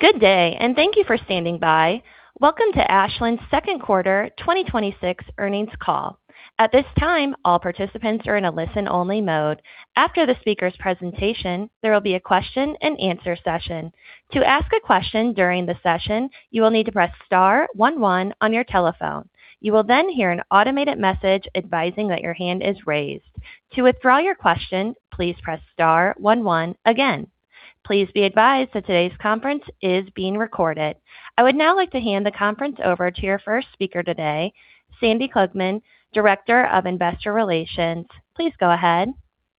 Good day, and thank you for standing by. Welcome to Ashland's Second Quarter 2026 Earnings Call. I would now like to hand the conference over to your first speaker today, Sandy Klugman, Director of Investor Relations. Please go ahead.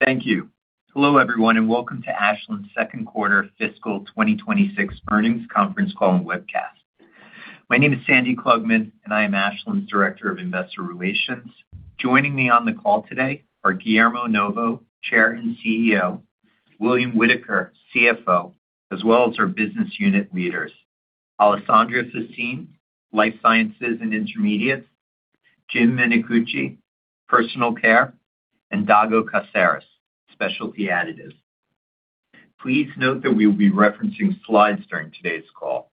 Thank you. Hello, everyone, and welcome to Ashland's Second Quarter Fiscal 2026 Earnings Conference Call and webcast. My name is Sandy Klugman, and I am Ashland's Director of Investor Relations. Joining me on the call today are Guillermo Novo, Chair and CEO, William Whitaker, CFO, as well as our business unit leaders, Alessandra Faccin, Life Sciences and Intermediates, Jim Minicucci, Personal Care, and Dago Caceres, Specialty Additives. Please note that we will be referencing slides during today's call.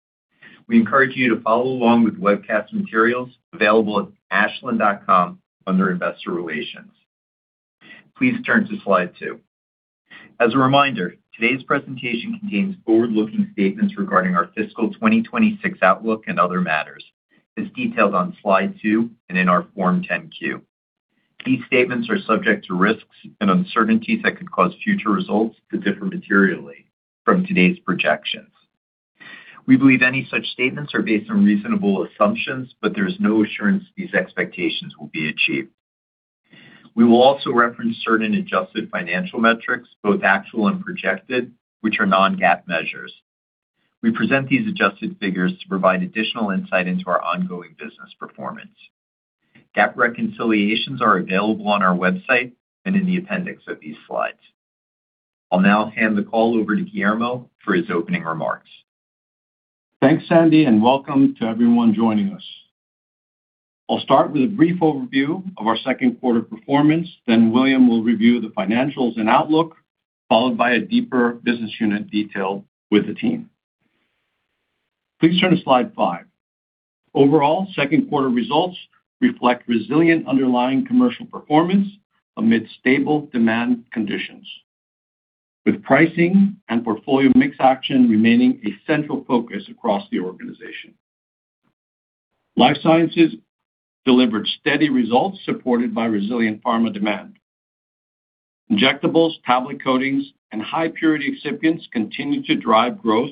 We encourage you to follow along with webcast materials available at ashland.com under Investor Relations. Please turn to slide 2. As a reminder, today's presentation contains forward-looking statements regarding our fiscal 2026 outlook and other matters, as detailed on slide 2 and in our Form 10-Q. These statements are subject to risks and uncertainties that could cause future results to differ materially from today's projections. We believe any such statements are based on reasonable assumptions, but there's no assurance these expectations will be achieved. We will also reference certain adjusted financial metrics, both actual and projected, which are non-GAAP measures. We present these adjusted figures to provide additional insight into our ongoing business performance. GAAP reconciliations are available on our website and in the appendix of these slides. I'll now hand the call over to Guillermo for his opening remarks. Thanks, Sandy. Welcome to everyone joining us. I'll start with a brief overview of our second quarter performance. William will review the financials and outlook, followed by a deeper business unit detail with the team. Please turn to slide 5. Overall, second quarter results reflect resilient underlying commercial performance amid stable demand conditions, with pricing and portfolio mix action remaining a central focus across the organization. Life Sciences delivered steady results supported by resilient pharma demand. Injectables, tablet coatings, and high-purity excipients continued to drive growth,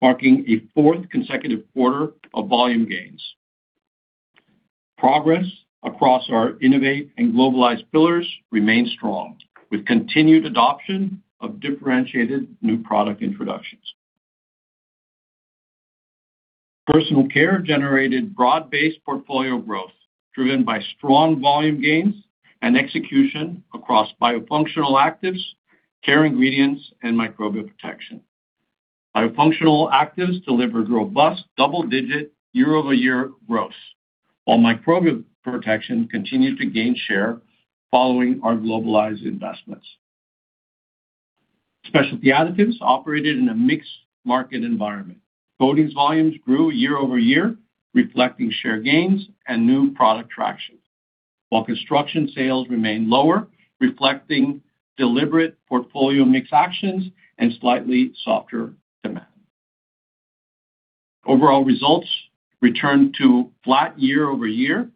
marking a 4th consecutive quarter of volume gains. Progress across our innovate and globalized pillars remains strong, with continued adoption of differentiated new product introductions. Personal Care generated broad-based portfolio growth, driven by strong volume gains and execution across biofunctional actives, Care Ingredients, and Microbial Protection. Biofunctional actives delivered robust double-digit year-over-year growth, while Microbial Protection continued to gain share following our globalized investments. Specialty Additives operated in a mixed market environment. Coatings volumes grew year-over-year, reflecting share gains and new product traction, while construction sales remained lower, reflecting deliberate portfolio mix actions and slightly softer demand. Overall results returned to flat year-over-year,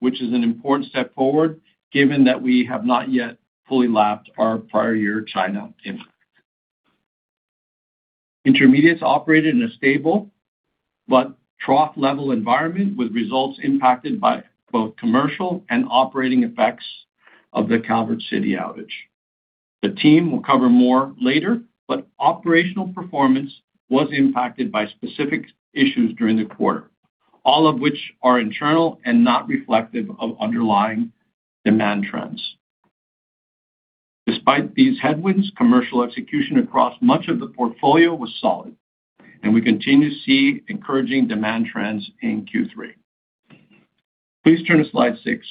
which is an important step forward given that we have not yet fully lapped our prior year China impact. Intermediates operated in a stable but trough-level environment, with results impacted by both commercial and operating effects of the Calvert City outage. The team will cover more later, but operational performance was impacted by specific issues during the quarter, all of which are internal and not reflective of underlying demand trends. Despite these headwinds, commercial execution across much of the portfolio was solid, and we continue to see encouraging demand trends in Q3. Please turn to slide 6.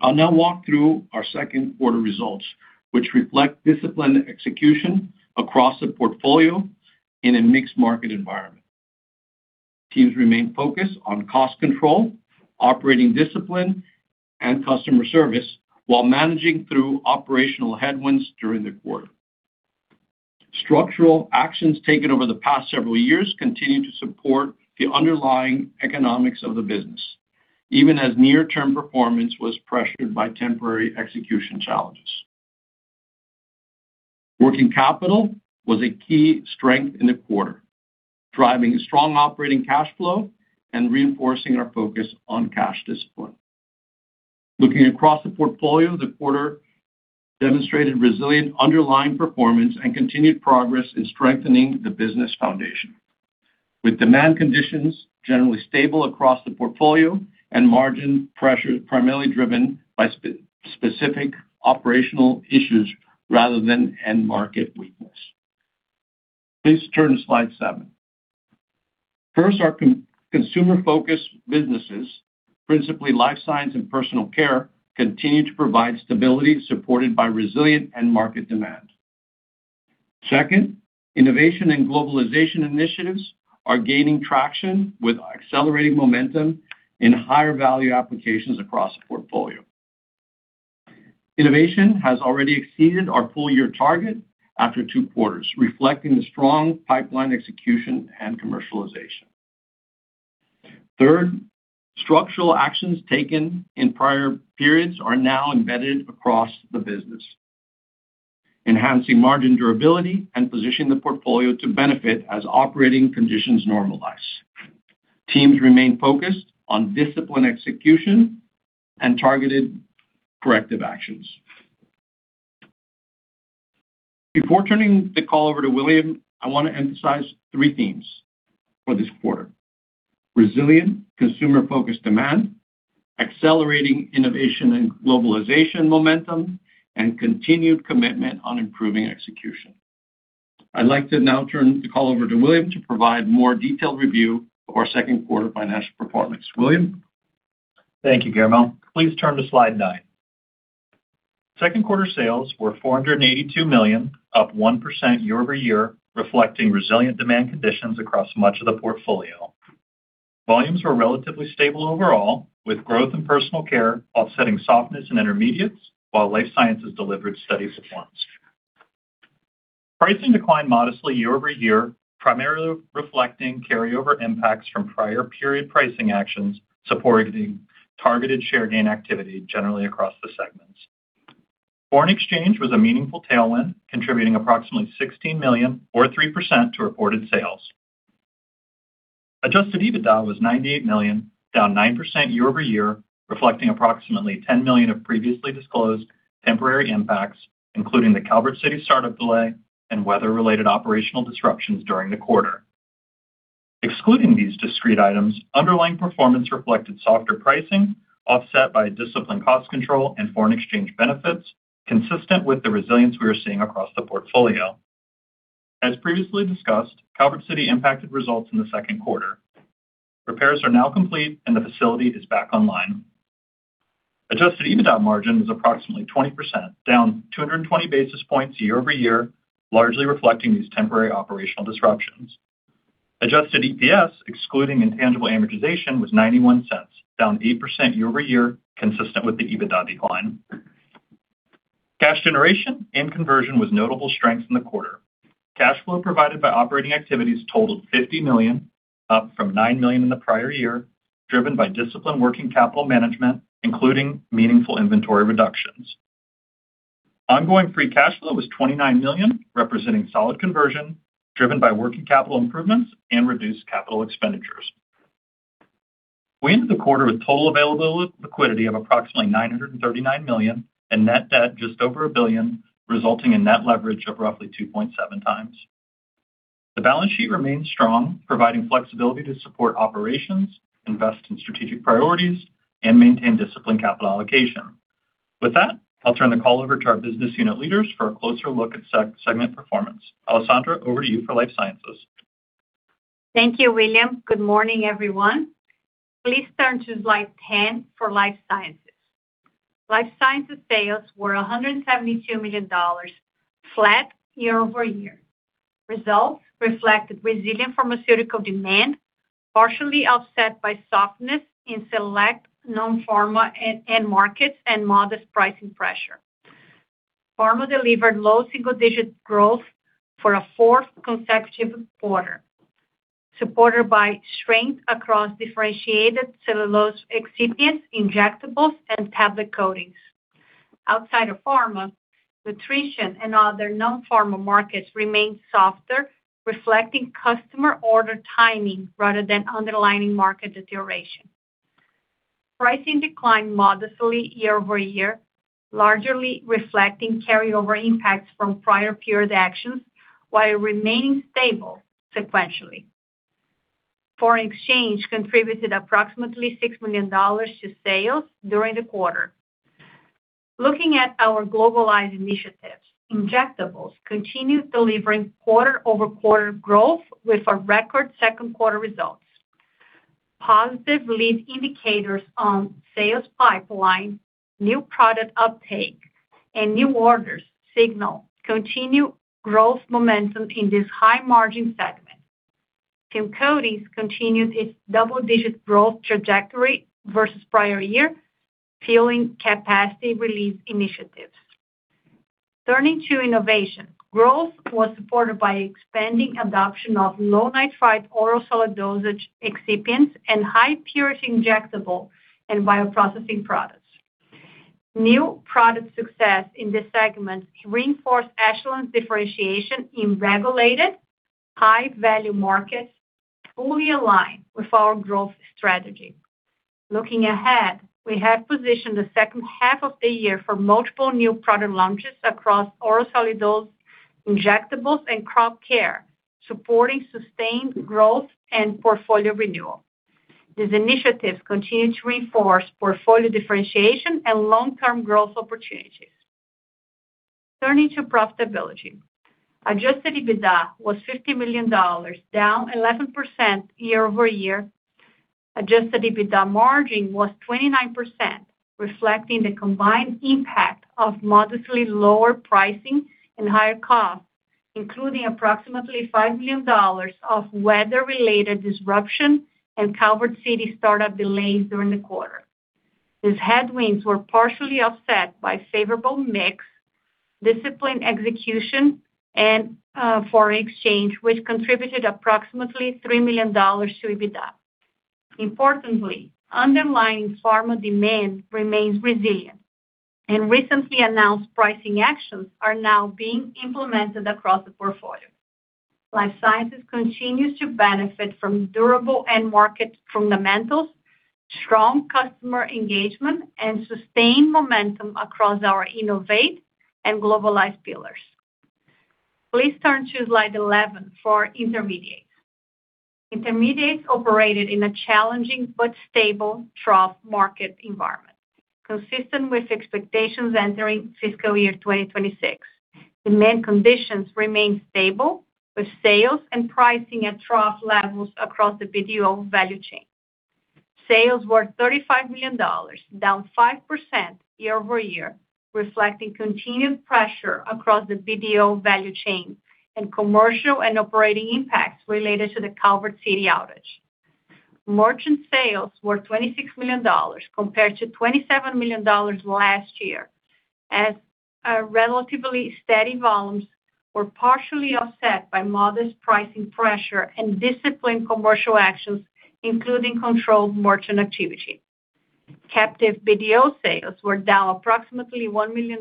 I will now walk through our second quarter results, which reflect disciplined execution across the portfolio in a mixed market environment. Teams remain focused on cost control, operating discipline, and customer service while managing through operational headwinds during the quarter. Structural actions taken over the past several years continue to support the underlying economics of the business, even as near-term performance was pressured by temporary execution challenges. Working capital was a key strength in the quarter, driving strong operating cash flow and reinforcing our focus on cash discipline. Looking across the portfolio, the quarter demonstrated resilient underlying performance and continued progress in strengthening the business foundation, with demand conditions generally stable across the portfolio and margin pressure primarily driven by specific operational issues rather than end market weakness. Please turn to slide 7. First, our consumer focused businesses, principally Life Sciences and Personal Care, continue to provide stability supported by resilient end market demand. Second, innovation and globalization initiatives are gaining traction with accelerating momentum in higher value applications across the portfolio. Innovation has already exceeded our full year target after two quarters, reflecting the strong pipeline execution and commercialization. Third, structural actions taken in prior periods are now embedded across the business, enhancing margin durability and positioning the portfolio to benefit as operating conditions normalize. Teams remain focused on disciplined execution and targeted corrective actions. Before turning the call over to William, I want to emphasize three themes for this quarter. Resilient consumer-focused demand, accelerating innovation and globalization momentum, and continued commitment on improving execution. I'd like to now turn the call over to William to provide more detailed review of our second quarter financial performance. William? Thank you, Guillermo. Please turn to slide 9. Second quarter sales were $482 million, up 1% year-over-year, reflecting resilient demand conditions across much of the portfolio. Volumes were relatively stable overall, with growth in Personal Care offsetting softness in Intermediates, while Life Sciences delivered steady performance. Pricing declined modestly year-over-year, primarily reflecting carryover impacts from prior period pricing actions, supporting targeted share gain activity generally across the segments. Foreign exchange was a meaningful tailwind, contributing approximately $16 million or 3% to reported sales. Adjusted EBITDA was $98 million, down 9% year-over-year, reflecting approximately $10 million of previously disclosed temporary impacts, including the Calvert City startup delay and weather-related operational disruptions during the quarter. Excluding these discrete items, underlying performance reflected softer pricing, offset by disciplined cost control and foreign exchange benefits, consistent with the resilience we are seeing across the portfolio. As previously discussed, Calvert City impacted results in the second quarter. Repairs are now complete and the facility is back online. Adjusted EBITDA margin is approximately 20%, down 220 basis points year-over-year, largely reflecting these temporary operational disruptions. Adjusted EPS, excluding intangible amortization, was $0.91, down 8% year-over-year, consistent with the EBITDA decline. Cash generation and conversion was notable strength in the quarter. Cash flow provided by operating activities totaled $50 million, up from $9 million in the prior year, driven by disciplined working capital management, including meaningful inventory reductions. Ongoing free cash flow was $29 million, representing solid conversion, driven by working capital improvements and reduced capital expenditures. We ended the quarter with total available liquidity of approximately $939 million, net debt just over $1 billion, resulting in net leverage of roughly 2.7x. The balance sheet remains strong, providing flexibility to support operations, invest in strategic priorities, and maintain disciplined capital allocation. With that, I'll turn the call over to our business unit leaders for a closer look at segment performance. Alessandra, over to you for Life Sciences. Thank you, William. Good morning, everyone. Please turn to slide 10 for Life Sciences. Life Sciences sales were $172 million, flat year-over-year. Results reflected resilient pharmaceutical demand, partially offset by softness in select non-pharma end markets and modest pricing pressure. Pharma delivered low single-digit growth for a fourth consecutive quarter, supported by strength across differentiated cellulose excipients, injectables, and tablet coatings. Outside of pharma, nutrition and other non-pharma markets remained softer, reflecting customer order timing rather than underlying market deterioration. Pricing declined modestly year-over-year, largely reflecting carryover impacts from prior period actions while remaining stable sequentially. Foreign exchange contributed approximately $6 million to sales during the quarter. Looking at our globalized initiatives, injectables continued delivering quarter-over-quarter growth with a record second quarter results. Positive lead indicators on sales pipeline, new product uptake, and new orders signal continued growth momentum in this high-margin segment. Film coatings continued its double-digit growth trajectory versus prior year, fueling capacity release initiatives. Turning to innovation, growth was supported by expanding adoption of low nitrite oral solid dosage excipients and high-purity injectable and bioprocessing products. New product success in this segment reinforce Ashland's differentiation in regulated high-value markets fully aligned with our growth strategy. Looking ahead, we have positioned the second half of the year for multiple new product launches across oral solid dose injectables and crop care, supporting sustained growth and portfolio renewal. These initiatives continue to reinforce portfolio differentiation and long-term growth opportunities. Turning to profitability. Adjusted EBITDA was $50 million, down 11% year-over-year. Adjusted EBITDA margin was 29%, reflecting the combined impact of modestly lower pricing and higher costs, including approximately $5 million of weather-related disruption and Calvert City start-up delays during the quarter. These headwinds were partially offset by favorable mix, disciplined execution and foreign exchange, which contributed approximately $3 million to EBITDA. Importantly, underlying pharma demand remains resilient and recently announced pricing actions are now being implemented across the portfolio. Life Sciences continues to benefit from durable end market fundamentals, strong customer engagement and sustained momentum across our innovate and globalized pillars. Please turn to slide 11 for Intermediates. Intermediates operated in a challenging but stable trough market environment, consistent with expectations entering fiscal year 2026. Demand conditions remained stable, with sales and pricing at trough levels across the BDO value chain. Sales were $35 million, down 5% year-over-year, reflecting continued pressure across the BDO value chain and commercial and operating impacts related to the Calvert City outage. Merchant sales were $26 million compared to $27 million last year, as relatively steady volumes were partially offset by modest pricing pressure and disciplined commercial actions, including controlled merchant activity. Captive BDO sales were down approximately $1 million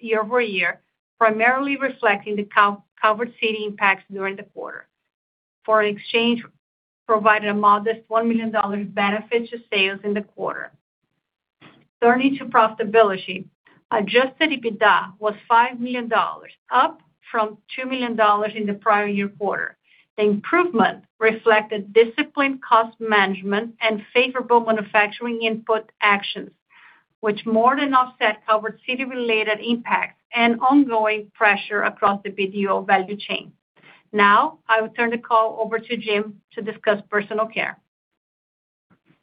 year-over-year, primarily reflecting the Calvert City impacts during the quarter. Foreign exchange provided a modest $1 million benefit to sales in the quarter. Turning to profitability. Adjusted EBITDA was $5 million, up from $2 million in the prior year quarter. The improvement reflected disciplined cost management and favorable manufacturing input actions, which more than offset Calvert City-related impacts and ongoing pressure across the BDO value chain. I will turn the call over to Jim to discuss Personal Care.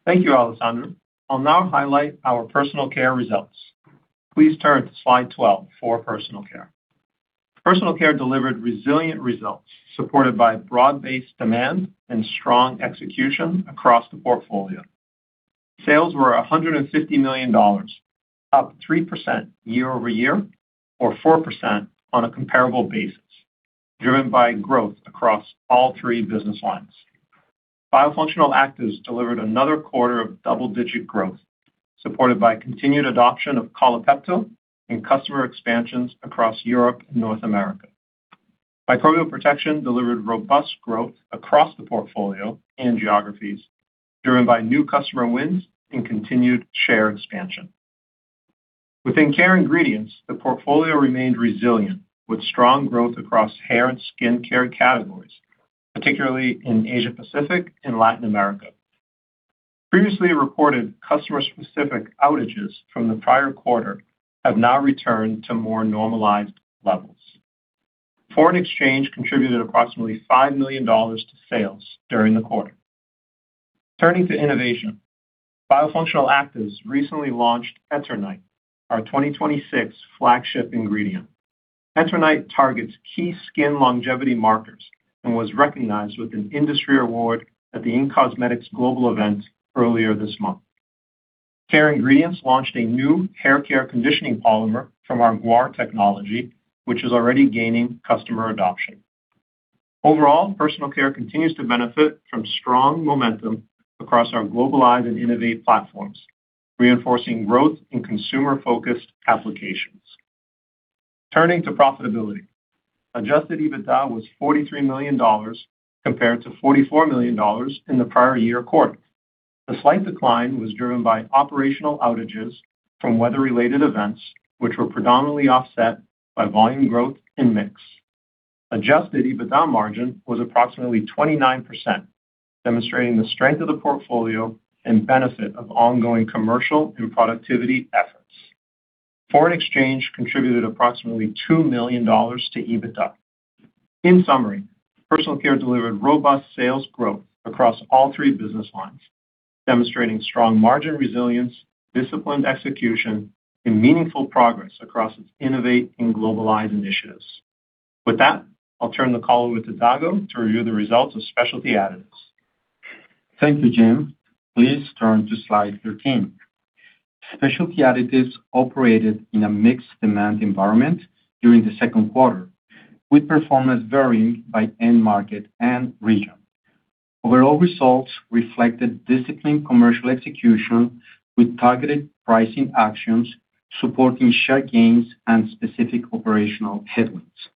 Thank you, Alessandra. I'll now highlight our Personal Care results. Please turn to slide 12 for Personal Care. Personal Care delivered resilient results supported by broad-based demand and strong execution across the portfolio. Sales were $150 million, up 3% year-over-year, or 4% on a comparable basis, driven by growth across all three business lines. Biofunctional actives delivered another quarter of double-digit growth, supported by continued adoption of Collapeptyl and customer expansions across Europe and North America. Microbial Protection delivered robust growth across the portfolio and geographies, driven by new customer wins and continued share expansion. Within Care Ingredients, the portfolio remained resilient with strong growth across hair and skincare categories, particularly in Asia Pacific and Latin America. Previously reported customer-specific outages from the prior quarter have now returned to more normalized levels. Foreign exchange contributed approximately $5 million to sales during the quarter. Turning to innovation. Biofunctional actives recently launched Eternight, our 2026 flagship ingredient. Eternight targets key skin longevity markers and was recognized with an industry award at the in-cosmetics Global event earlier this month. Care Ingredients launched a new haircare conditioning polymer from our guar technology, which is already gaining customer adoption. Overall, Personal Care continues to benefit from strong momentum across our globalized and innovate platforms, reinforcing growth in consumer-focused applications. Turning to profitability. Adjusted EBITDA was $43 million compared to $44 million in the prior year quarter. The slight decline was driven by operational outages from weather-related events, which were predominantly offset by volume growth and mix. Adjusted EBITDA margin was approximately 29%, demonstrating the strength of the portfolio and benefit of ongoing commercial and productivity efforts. Foreign exchange contributed approximately $2 million to EBITDA. In summary, Personal Care delivered robust sales growth across all three business lines, demonstrating strong margin resilience, disciplined execution and meaningful progress across its innovate and globalized initiatives. With that, I'll turn the call over to Dago to review the results of Specialty Additives. Thank you, Jim. Please turn to slide 13. Specialty Additives operated in a mixed demand environment during the second quarter, with performance varying by end market and region. Overall results reflected disciplined commercial execution with targeted pricing actions supporting share gains and specific operational headwinds.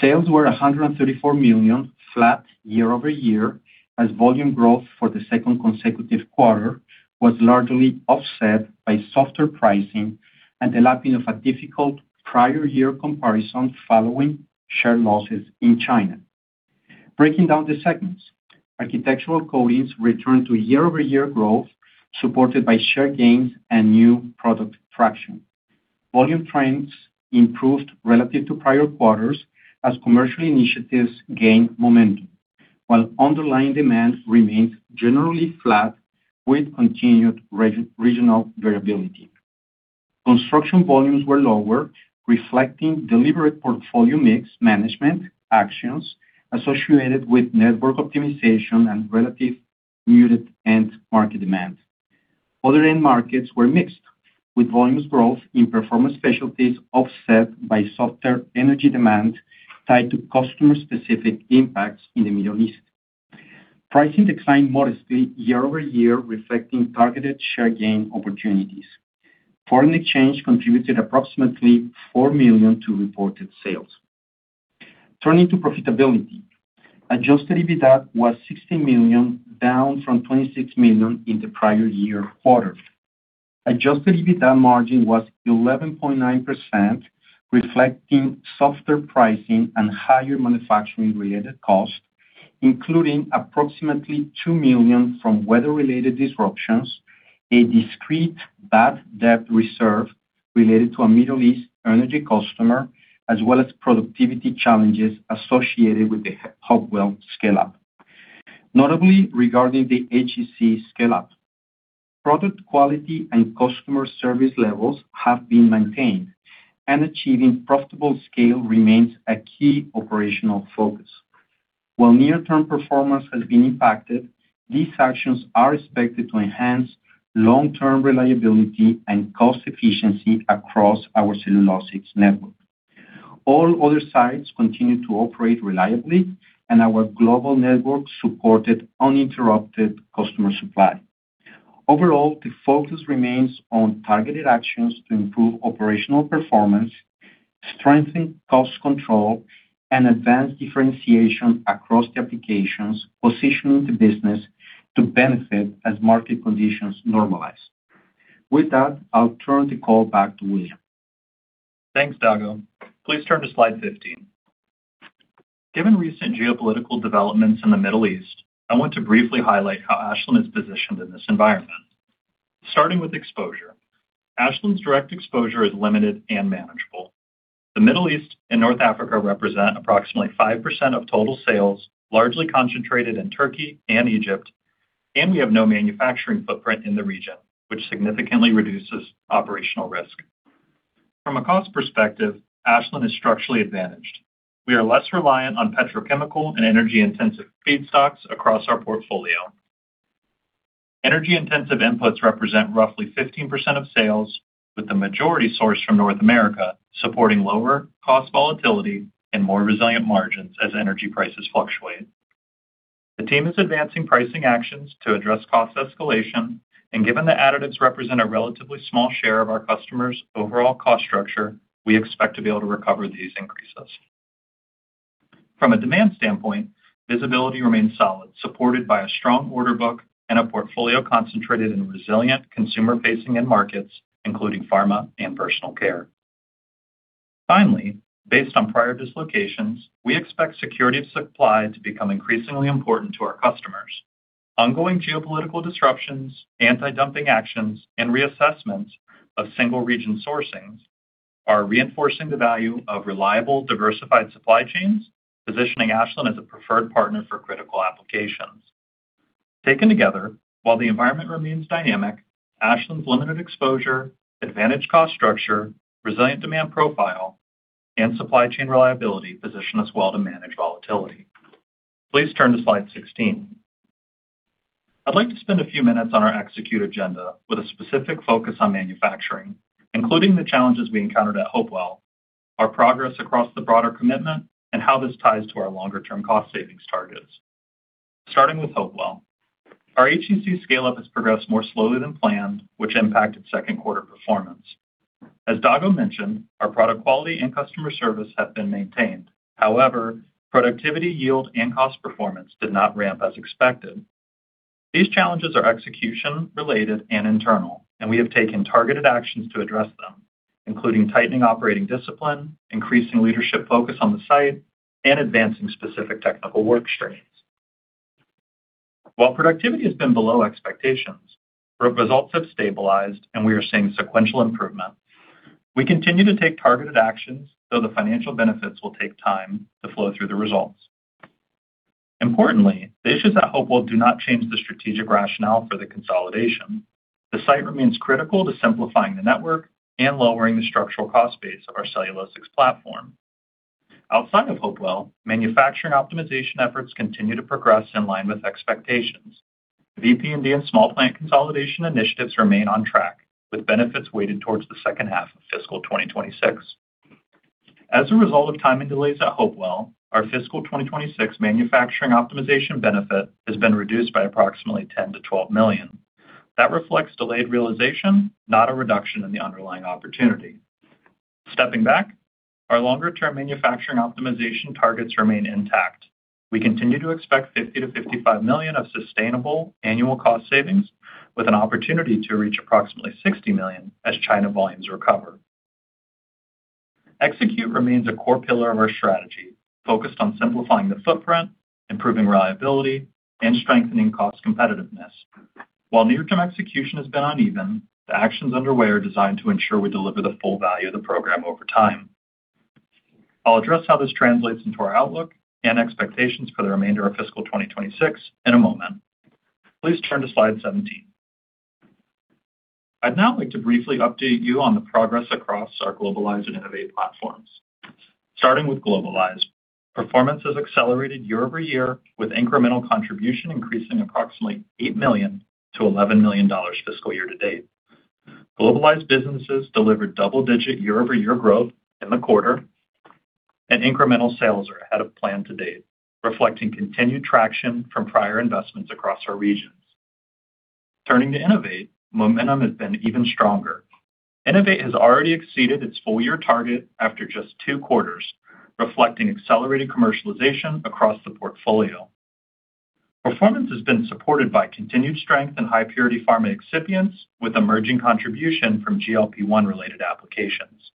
Sales were $134 million, flat year-over-year, as volume growth for the second consecutive quarter was largely offset by softer pricing and the lapping of a difficult prior year comparison following share losses in China. Breaking down the segments. Architectural coatings returned to year-over-year growth, supported by share gains and new product traction. Volume trends improved relative to prior quarters as commercial initiatives gained momentum, while underlying demand remained generally flat with continued regional variability. Construction volumes were lower, reflecting deliberate portfolio mix management actions associated with network optimization and relative muted end market demand. Other end markets were mixed, with volumes growth in performance specialties offset by softer energy demand tied to customer specific impacts in the Middle East. Pricing declined modestly year-over-year, reflecting targeted share gain opportunities. Foreign exchange contributed approximately $4 million to reported sales. Turning to profitability, Adjusted EBITDA was $60 million, down from $26 million in the prior year quarter. Adjusted EBITDA margin was 11.9%, reflecting softer pricing and higher manufacturing related costs, including approximately $2 million from weather related disruptions, a discrete bad debt reserve related to a Middle East energy customer, as well as productivity challenges associated with the Hopewell scale up. Notably regarding the HEC scale up, product quality and customer service levels have been maintained and achieving profitable scale remains a key operational focus. While near term performance has been impacted, these actions are expected to enhance long term reliability and cost efficiency across our cellulosics network. All other sites continue to operate reliably and our global network supported uninterrupted customer supply. Overall, the focus remains on targeted actions to improve operational performance, strengthen cost control and advance differentiation across the applications, positioning the business to benefit as market conditions normalize. With that, I'll turn the call back to William. Thanks, Dago. Please turn to slide 15. Given recent geopolitical developments in the Middle East, I want to briefly highlight how Ashland is positioned in this environment. Starting with exposure. Ashland's direct exposure is limited and manageable. The Middle East and North Africa represent approximately 5% of total sales, largely concentrated in Turkey and Egypt, and we have no manufacturing footprint in the region, which significantly reduces operational risk. From a cost perspective, Ashland is structurally advantaged. We are less reliant on petrochemical and energy intensive feedstocks across our portfolio. Energy intensive inputs represent roughly 15% of sales, with the majority sourced from North America, supporting lower cost volatility and more resilient margins as energy prices fluctuate. The team is advancing pricing actions to address cost escalation. Given that additives represent a relatively small share of our customers' overall cost structure, we expect to be able to recover these increases. From a demand standpoint, visibility remains solid, supported by a strong order book and a portfolio concentrated in resilient consumer facing end markets, including pharma and Personal Care. Based on prior dislocations, we expect security of supply to become increasingly important to our customers. Ongoing geopolitical disruptions, anti-dumping actions, and reassessments of single region sourcings are reinforcing the value of reliable, diversified supply chains, positioning Ashland as a preferred partner for critical applications. Taken together, while the environment remains dynamic, Ashland's limited exposure, advantaged cost structure, resilient demand profile, and supply chain reliability position us well to manage volatility. Please turn to slide 16. I'd like to spend a few minutes on our execute agenda with a specific focus on manufacturing, including the challenges we encountered at Hopewell, our progress across the broader commitment, and how this ties to our longer term cost savings targets. Starting with Hopewell. Our HEC scale up has progressed more slowly than planned, which impacted second quarter performance. As Dago mentioned, our product quality and customer service have been maintained. However, productivity, yield and cost performance did not ramp as expected. These challenges are execution related and internal, and we have taken targeted actions to address them, including tightening operating discipline, increasing leadership focus on the site, and advancing specific technical work streams. While productivity has been below expectations, results have stabilized and we are seeing sequential improvement. We continue to take targeted actions, though the financial benefits will take time to flow through the results. Importantly, the issues at Hopewell do not change the strategic rationale for the consolidation. The site remains critical to simplifying the network and lowering the structural cost base of our cellulosics platform. Outside of Hopewell, manufacturing optimization efforts continue to progress in line with expectations. VP&D and small plant consolidation initiatives remain on track, with benefits weighted towards the second half of fiscal 2026. As a result of timing delays at Hopewell, our fiscal 2026 manufacturing optimization benefit has been reduced by approximately $10 million-$12 million. That reflects delayed realization, not a reduction in the underlying opportunity. Stepping back, our longer term manufacturing optimization targets remain intact. We continue to expect $50 million-$55 million of sustainable annual cost savings with an opportunity to reach approximately $60 million as China volumes recover. Execute remains a core pillar of our strategy, focused on simplifying the footprint, improving reliability, and strengthening cost competitiveness. While near-term execution has been uneven, the actions underway are designed to ensure we deliver the full value of the program over time. I'll address how this translates into our outlook and expectations for the remainder of fiscal 2026 in a moment. Please turn to slide 17. I'd now like to briefly update you on the progress across our Globalize and Innovate platforms. Starting with Globalize, performance has accelerated year-over-year, with incremental contribution increasing approximately $8 million-$11 million fiscal year-to-date. Globalize businesses delivered double-digit year-over-year growth in the quarter, and incremental sales are ahead of plan to date, reflecting continued traction from prior investments across our regions. Turning to Innovate, momentum has been even stronger. Innovate has already exceeded its full year target after just two quarters, reflecting accelerated commercialization across the portfolio. Performance has been supported by continued strength in high purity pharma excipients with emerging contribution from GLP-1 related applications.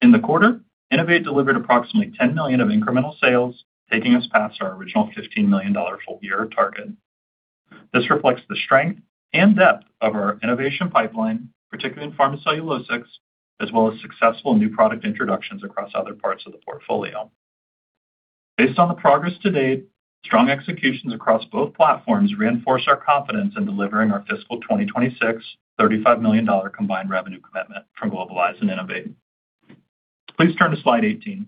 In the quarter, Innovate delivered approximately $10 million of incremental sales, taking us past our original $15 million full year target. This reflects the strength and depth of our innovation pipeline, particularly in pharma cellulosics, as well as successful new product introductions across other parts of the portfolio. Based on the progress to date, strong executions across both platforms reinforce our confidence in delivering our fiscal 2026 $35 million combined revenue commitment from Globalize and Innovate. Please turn to slide 18.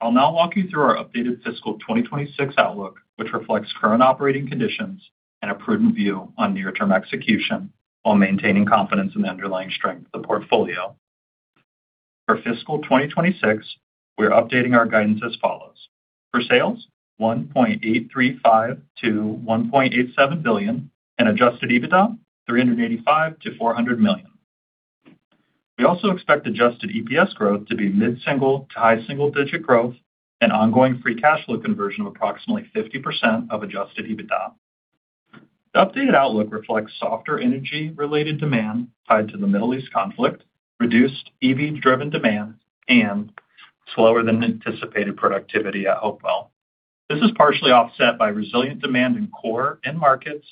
I'll now walk you through our updated fiscal 2026 outlook, which reflects current operating conditions and a prudent view on near-term execution while maintaining confidence in the underlying strength of the portfolio. For fiscal 2026, we are updating our guidance as follows. For sales, $1.835 billion-$1.87 billion, and Adjusted EBITDA, $385 million-$400 million. We also expect adjusted EPS growth to be mid-single to high single-digit growth and ongoing free cash flow conversion of approximately 50% of Adjusted EBITDA. The updated outlook reflects softer energy related demand tied to the Middle East conflict, reduced EV driven demand, and slower than anticipated productivity at Hopewell. This is partially offset by resilient demand in core end markets,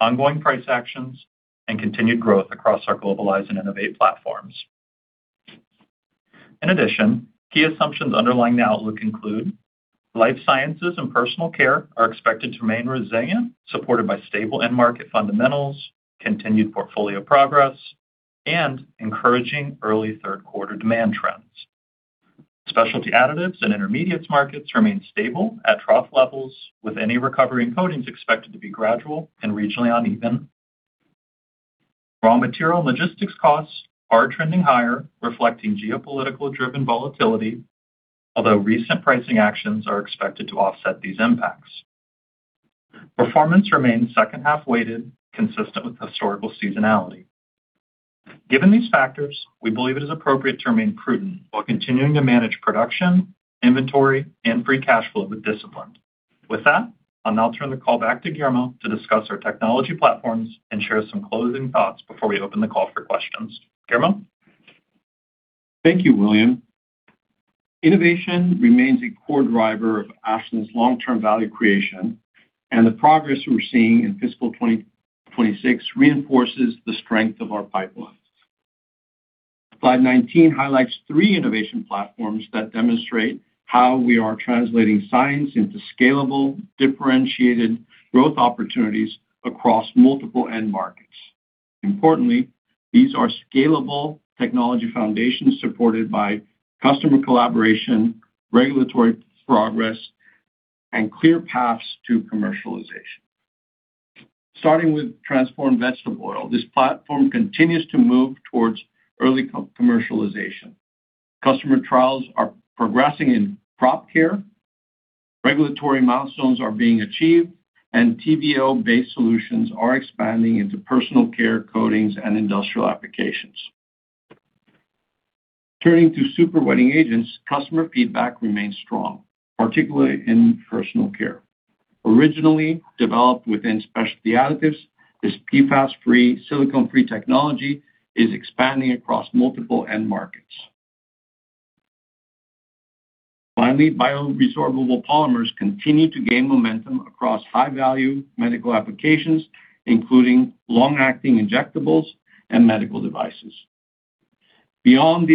ongoing price actions, and continued growth across our Globalize and Innovate platforms. In addition, key assumptions underlying the outlook include Life Sciences and Personal Care are expected to remain resilient, supported by stable end market fundamentals, continued portfolio progress, and encouraging early third quarter demand trends. Specialty Additives and Intermediates markets remain stable at trough levels, with any recovery in coatings expected to be gradual and regionally uneven. Raw material logistics costs are trending higher, reflecting geopolitical driven volatility, although recent pricing actions are expected to offset these impacts. Performance remains second half weighted, consistent with historical seasonality. Given these factors, we believe it is appropriate to remain prudent while continuing to manage production, inventory, and free cash flow with discipline. With that, I'll now turn the call back to Guillermo to discuss our technology platforms and share some closing thoughts before we open the call for questions. Guillermo. Thank you, William. Innovation remains a core driver of Ashland's long-term value creation, and the progress we're seeing in fiscal 2026 reinforces the strength of our pipelines. Slide 19 highlights three innovation platforms that demonstrate how we are translating science into scalable, differentiated growth opportunities across multiple end markets. Importantly, these are scalable technology foundations supported by customer collaboration, regulatory progress, and clear paths to commercialization. Starting with transformed vegetable oil, this platform continues to move towards early co-commercialization. Customer trials are progressing in crop care, regulatory milestones are being achieved, and TVO-based solutions are expanding into Personal Care, coatings, and industrial applications. Turning to super-wetting agents, customer feedback remains strong, particularly in Personal Care. Originally developed within Specialty Additives, this PFAS-free, silicone-free technology is expanding across multiple end markets. Finally, bioresorbable polymers continue to gain momentum across high-value medical applications, including long-acting injectables and medical devices. Beyond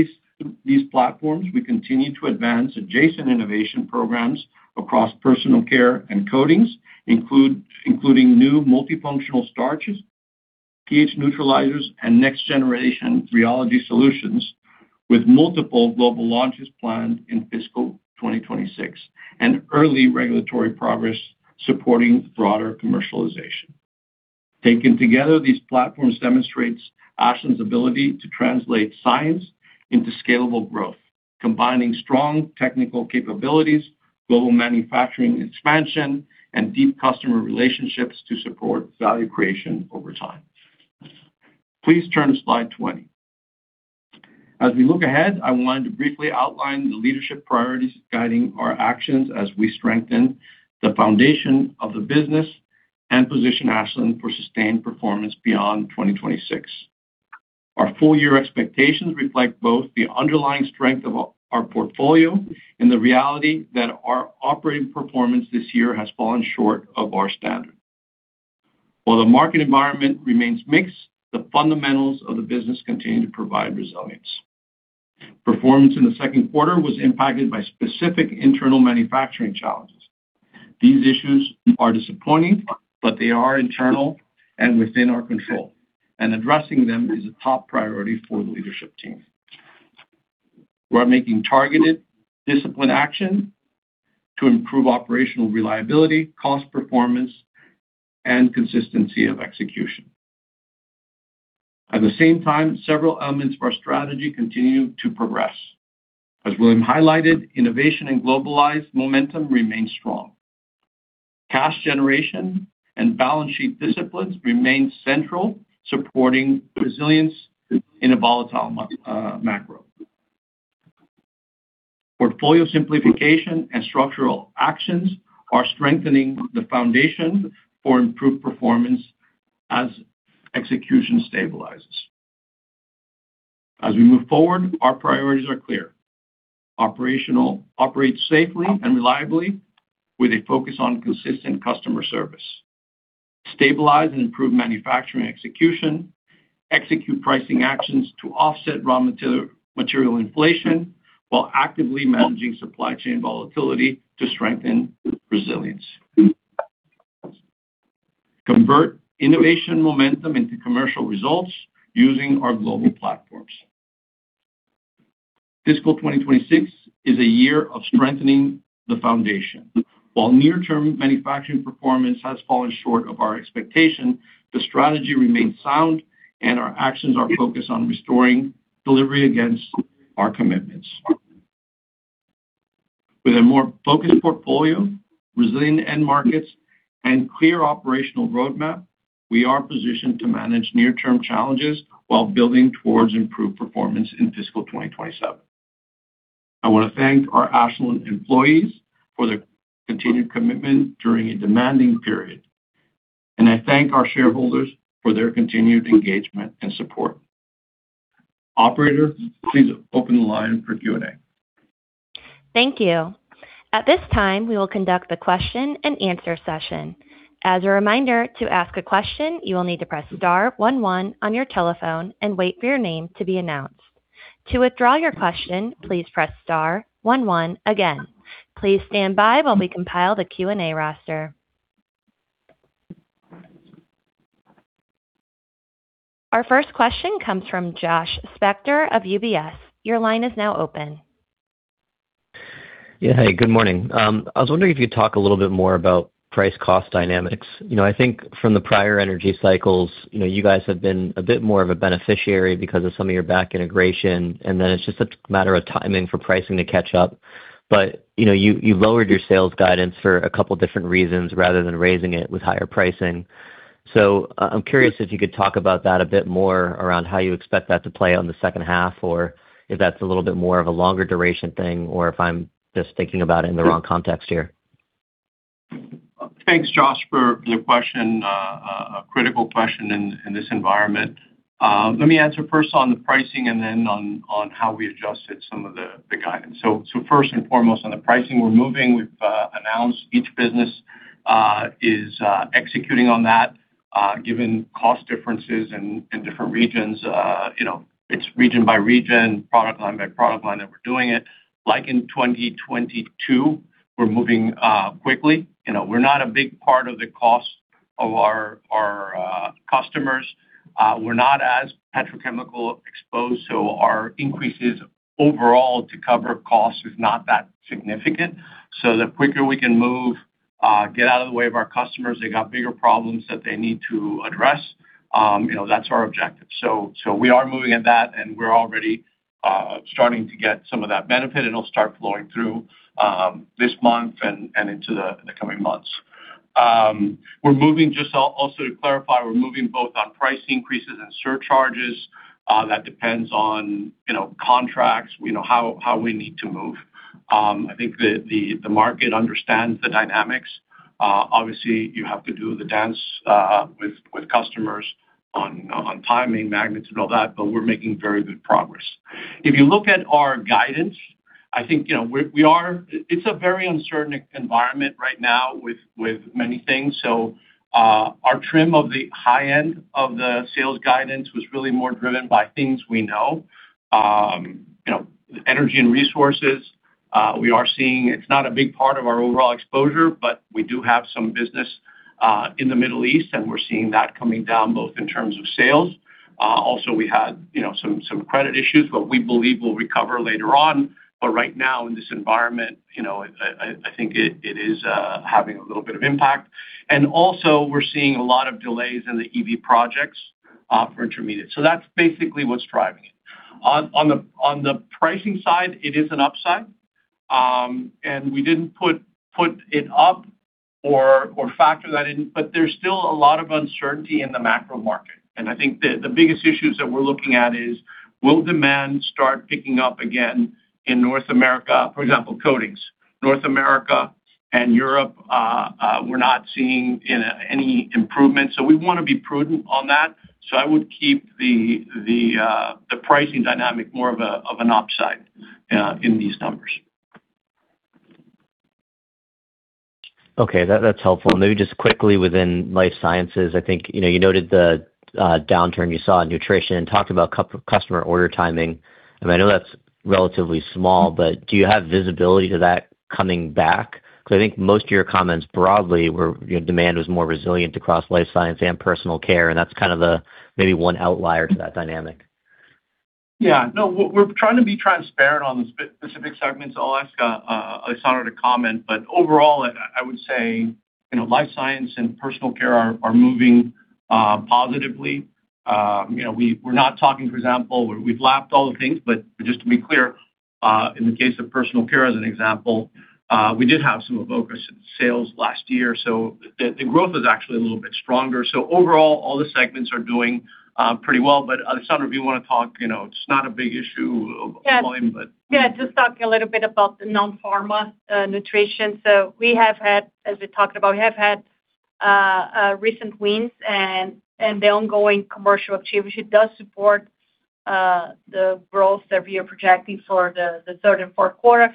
these platforms, we continue to advance adjacent innovation programs across Personal Care and coatings, including new multifunctional starches, pH neutralizers, and next generation rheology solutions with multiple global launches planned in fiscal 2026 and early regulatory progress supporting broader commercialization. Taken together, these platforms demonstrates Ashland's ability to translate science into scalable growth, combining strong technical capabilities, global manufacturing expansion, and deep customer relationships to support value creation over time. Please turn to slide 20. As we look ahead, I wanted to briefly outline the leadership priorities guiding our actions as we strengthen the foundation of the business. Position Ashland for sustained performance beyond 2026. Our full-year expectations reflect both the underlying strength of our portfolio and the reality that our operating performance this year has fallen short of our standard. While the market environment remains mixed, the fundamentals of the business continue to provide resilience. Performance in the second quarter was impacted by specific internal manufacturing challenges. These issues are disappointing, but they are internal and within our control, and addressing them is a top priority for the leadership team. We are making targeted disciplined action to improve operational reliability, cost performance, and consistency of execution. At the same time, several elements of our strategy continue to progress. As William highlighted, innovation and globalized momentum remain strong. Cash generation and balance sheet disciplines remain central, supporting resilience in a volatile macro. Portfolio simplification and structural actions are strengthening the foundation for improved performance as execution stabilizes. We move forward, our priorities are clear. Operate safely and reliably with a focus on consistent customer service. Stabilize and improve manufacturing execution., execute pricing actions to offset raw material inflation while actively managing supply chain volatility to strengthen resilience. Convert innovation momentum into commercial results using our global platforms. Fiscal 2026 is a year of strengthening the foundation. While near-term manufacturing performance has fallen short of our expectation, the strategy remains sound, and our actions are focused on restoring delivery against our commitments. With a more focused portfolio, resilient end markets, and clear operational roadmap, we are positioned to manage near-term challenges while building towards improved performance in fiscal 2027. I wanna thank our Ashland employees for their continued commitment during a demanding period. I thank our shareholders for their continued engagement and support. Operator, please open the line for Q&A. Thank you. At this time, we will conduct the question-and-answer session. As a reminder, to ask a question, you will need to press star one one on your telephone and wait for your name to be announced. To withdraw your question, please press star one one again. Please stand by while we compile the Q&A roster. Our first question comes from Josh Spector of UBS. Your line is now open. Yeah. Hey, good morning. I was wondering if you could talk a little bit more about price-cost dynamics. You know, I think from the prior energy cycles, you know, you guys have been a bit more of a beneficiary because of some of your back integration, and then it's just a matter of timing for pricing to catch up. You know, you lowered your sales guidance for a couple different reasons rather than raising it with higher pricing. I'm curious if you could talk about that a bit more around how you expect that to play on the second half, or if that's a little bit more of a longer duration thing, or if I'm just thinking about it in the wrong context here. Thanks, Josh, for the question. A critical question in this environment. Let me answer first on the pricing and then on how we adjusted some of the guidance. First and foremost, on the pricing we're moving, we've announced each business is executing on that, given cost differences in different regions. You know, it's region by region, product line by product line that we're doing it. Like in 2022, we're moving quickly. You know, we're not a big part of the cost of our customers. We're not as petrochemical exposed, so our increases overall to cover costs is not that significant. The quicker we can move, get out of the way of our customers, they got bigger problems that they need to address, you know, that's our objective. We are moving in that, and we're already starting to get some of that benefit, and it'll start flowing through this month and into the coming months. We're moving both on price increases and surcharges. That depends on, you know, contracts. We know how we need to move. I think the market understands the dynamics. Obviously, you have to do the dance, with customers on timing, magnets and all that, but we're making very good progress. If you look at our guidance, I think, you know, it's a very uncertain environment right now with many things. Our trim of the high end of the sales guidance was really more driven by things we know. You know, energy and resources, we are seeing it's not a big part of our overall exposure, but we do have some business in the Middle East, and we're seeing that coming down both in terms of sales. Also we had, you know, some credit issues, but we believe we'll recover later on. Right now in this environment, you know, I think it is having a little bit of impact. We're seeing a lot of delays in the EV projects for Intermediates. That's basically what's driving it. On the pricing side, it is an upside. We didn't put it up or factor that in. There's still a lot of uncertainty in the macro market. I think the biggest issues that we're looking at is: Will demand start picking up again in North America? For example, coatings. North America and Europe, we're not seeing, you know, any improvement, so we wanna be prudent on that. I would keep the pricing dynamic more of an upside in these numbers. Okay. That's helpful. Maybe just quickly within Life Sciences, I think, you know, you noted the downturn you saw in nutrition and talked about customer order timing. I know that's relatively small, but do you have visibility to that coming back? 'Cause I think most of your comments broadly were, you know, demand was more resilient across Life Sciences and Personal Care, that's kind of the maybe one outlier to that dynamic. Yeah. No. We're, we're trying to be transparent on the specific segments. I'll ask Alessandra to comment. Overall, I would say, you know, Life Sciences and Personal Care are moving positively. You know, we-we're not talking, for example, we've lapped all the things, but just to be clear, in the case of Personal Care, as an example, we did have some Avoca sales last year, so the growth is actually a little bit stronger. Overall, all the segments are doing pretty well. Alessandra, if you wanna talk, you know, it's not a big issue of volume. Yeah. Just talk a little bit about the non-pharma nutrition. We have had, as we talked about, we have had recent wins and the ongoing commercial activity does support the growth that we are projecting for the third and fourth quarter.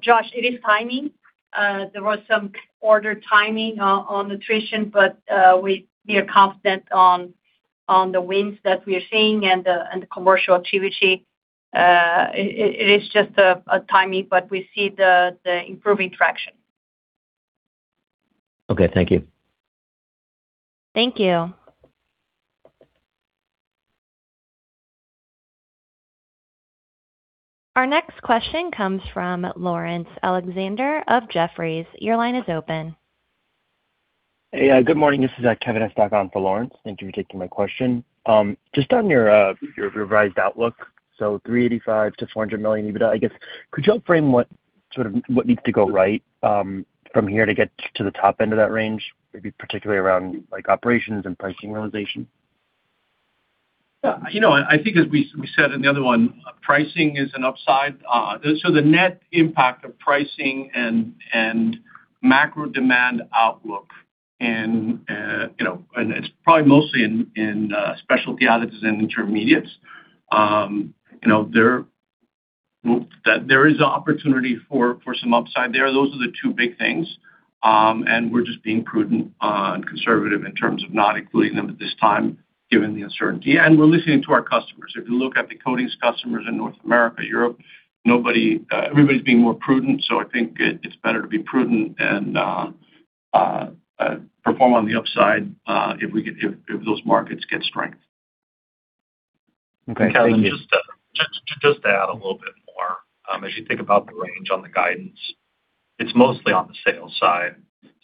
Josh, it is timing. There was some order timing on nutrition, but we are confident on the wins that we are seeing and the commercial activity. It is just a timing, but we see the improving traction. Okay, thank you. Thank you. Our next question comes from Laurence Alexander of Jefferies. Your line is open. Hey. good morning. This is Kevin Estok for Laurence Alexander. Thank you for taking my question. just on your your revised outlook, so $385 million-$400 million EBITDA, I guess, could you help frame what sort of what needs to go right from here to get to the top end of that range? Maybe particularly around like operations and pricing realization. You know, I think as we said in the other one, pricing is an upside. The net impact of pricing and macro demand outlook, you know, it's probably mostly in Specialty Additives and Intermediates. You know, there is opportunity for some upside there. Those are the two big things. We're just being prudent and conservative in terms of not including them at this time, given the uncertainty. We're listening to our customers. If you look at the coatings customers in North America, Europe, everybody's being more prudent. I think it's better to be prudent and perform on the upside if those markets get strength. Okay. Thank you. Kevin, just to add a little bit more, as you think about the range on the guidance, it's mostly on the sales side.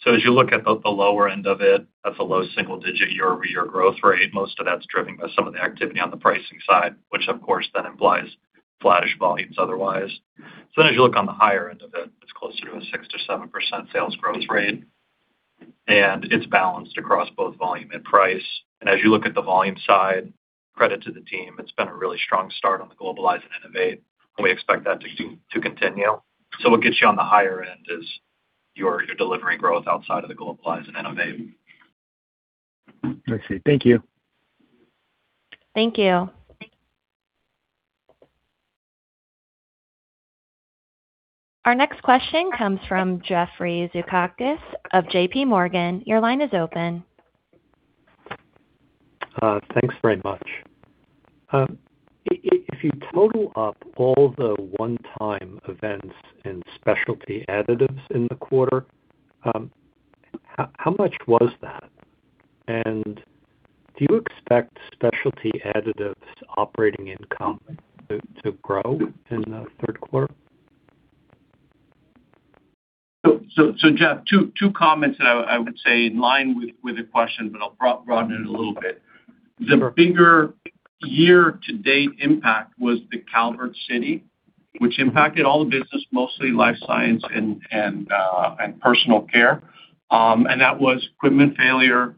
As you look at the lower end of it, that's a low single-digit year-over-year growth rate. Most of that's driven by some of the activity on the pricing side, which of course then implies flattish volumes otherwise. As you look on the higher end of it's closer to a 6%-7% sales growth rate, and it's balanced across both volume and price. As you look at the volume side, credit to the team, it's been a really strong start on the Globalize and Innovate, and we expect that to continue. What gets you on the higher end is your delivery growth outside of the Globalize and Innovate. I see. Thank you. Thank you. Our next question comes from Jeffrey Zekauskas of JPMorgan. Your line is open. Thanks very much. If you total up all the one-time events in Specialty Additives in the quarter, how much was that? Do you expect Specialty Additives operating income to grow in the third quarter? Jeff, two comments that I would say in line with the question, but I'll broaden it a little bit. The bigger year-to-date impact was the Calvert City, which impacted all the business, mostly Life Sciences and Personal Care. That was equipment failure,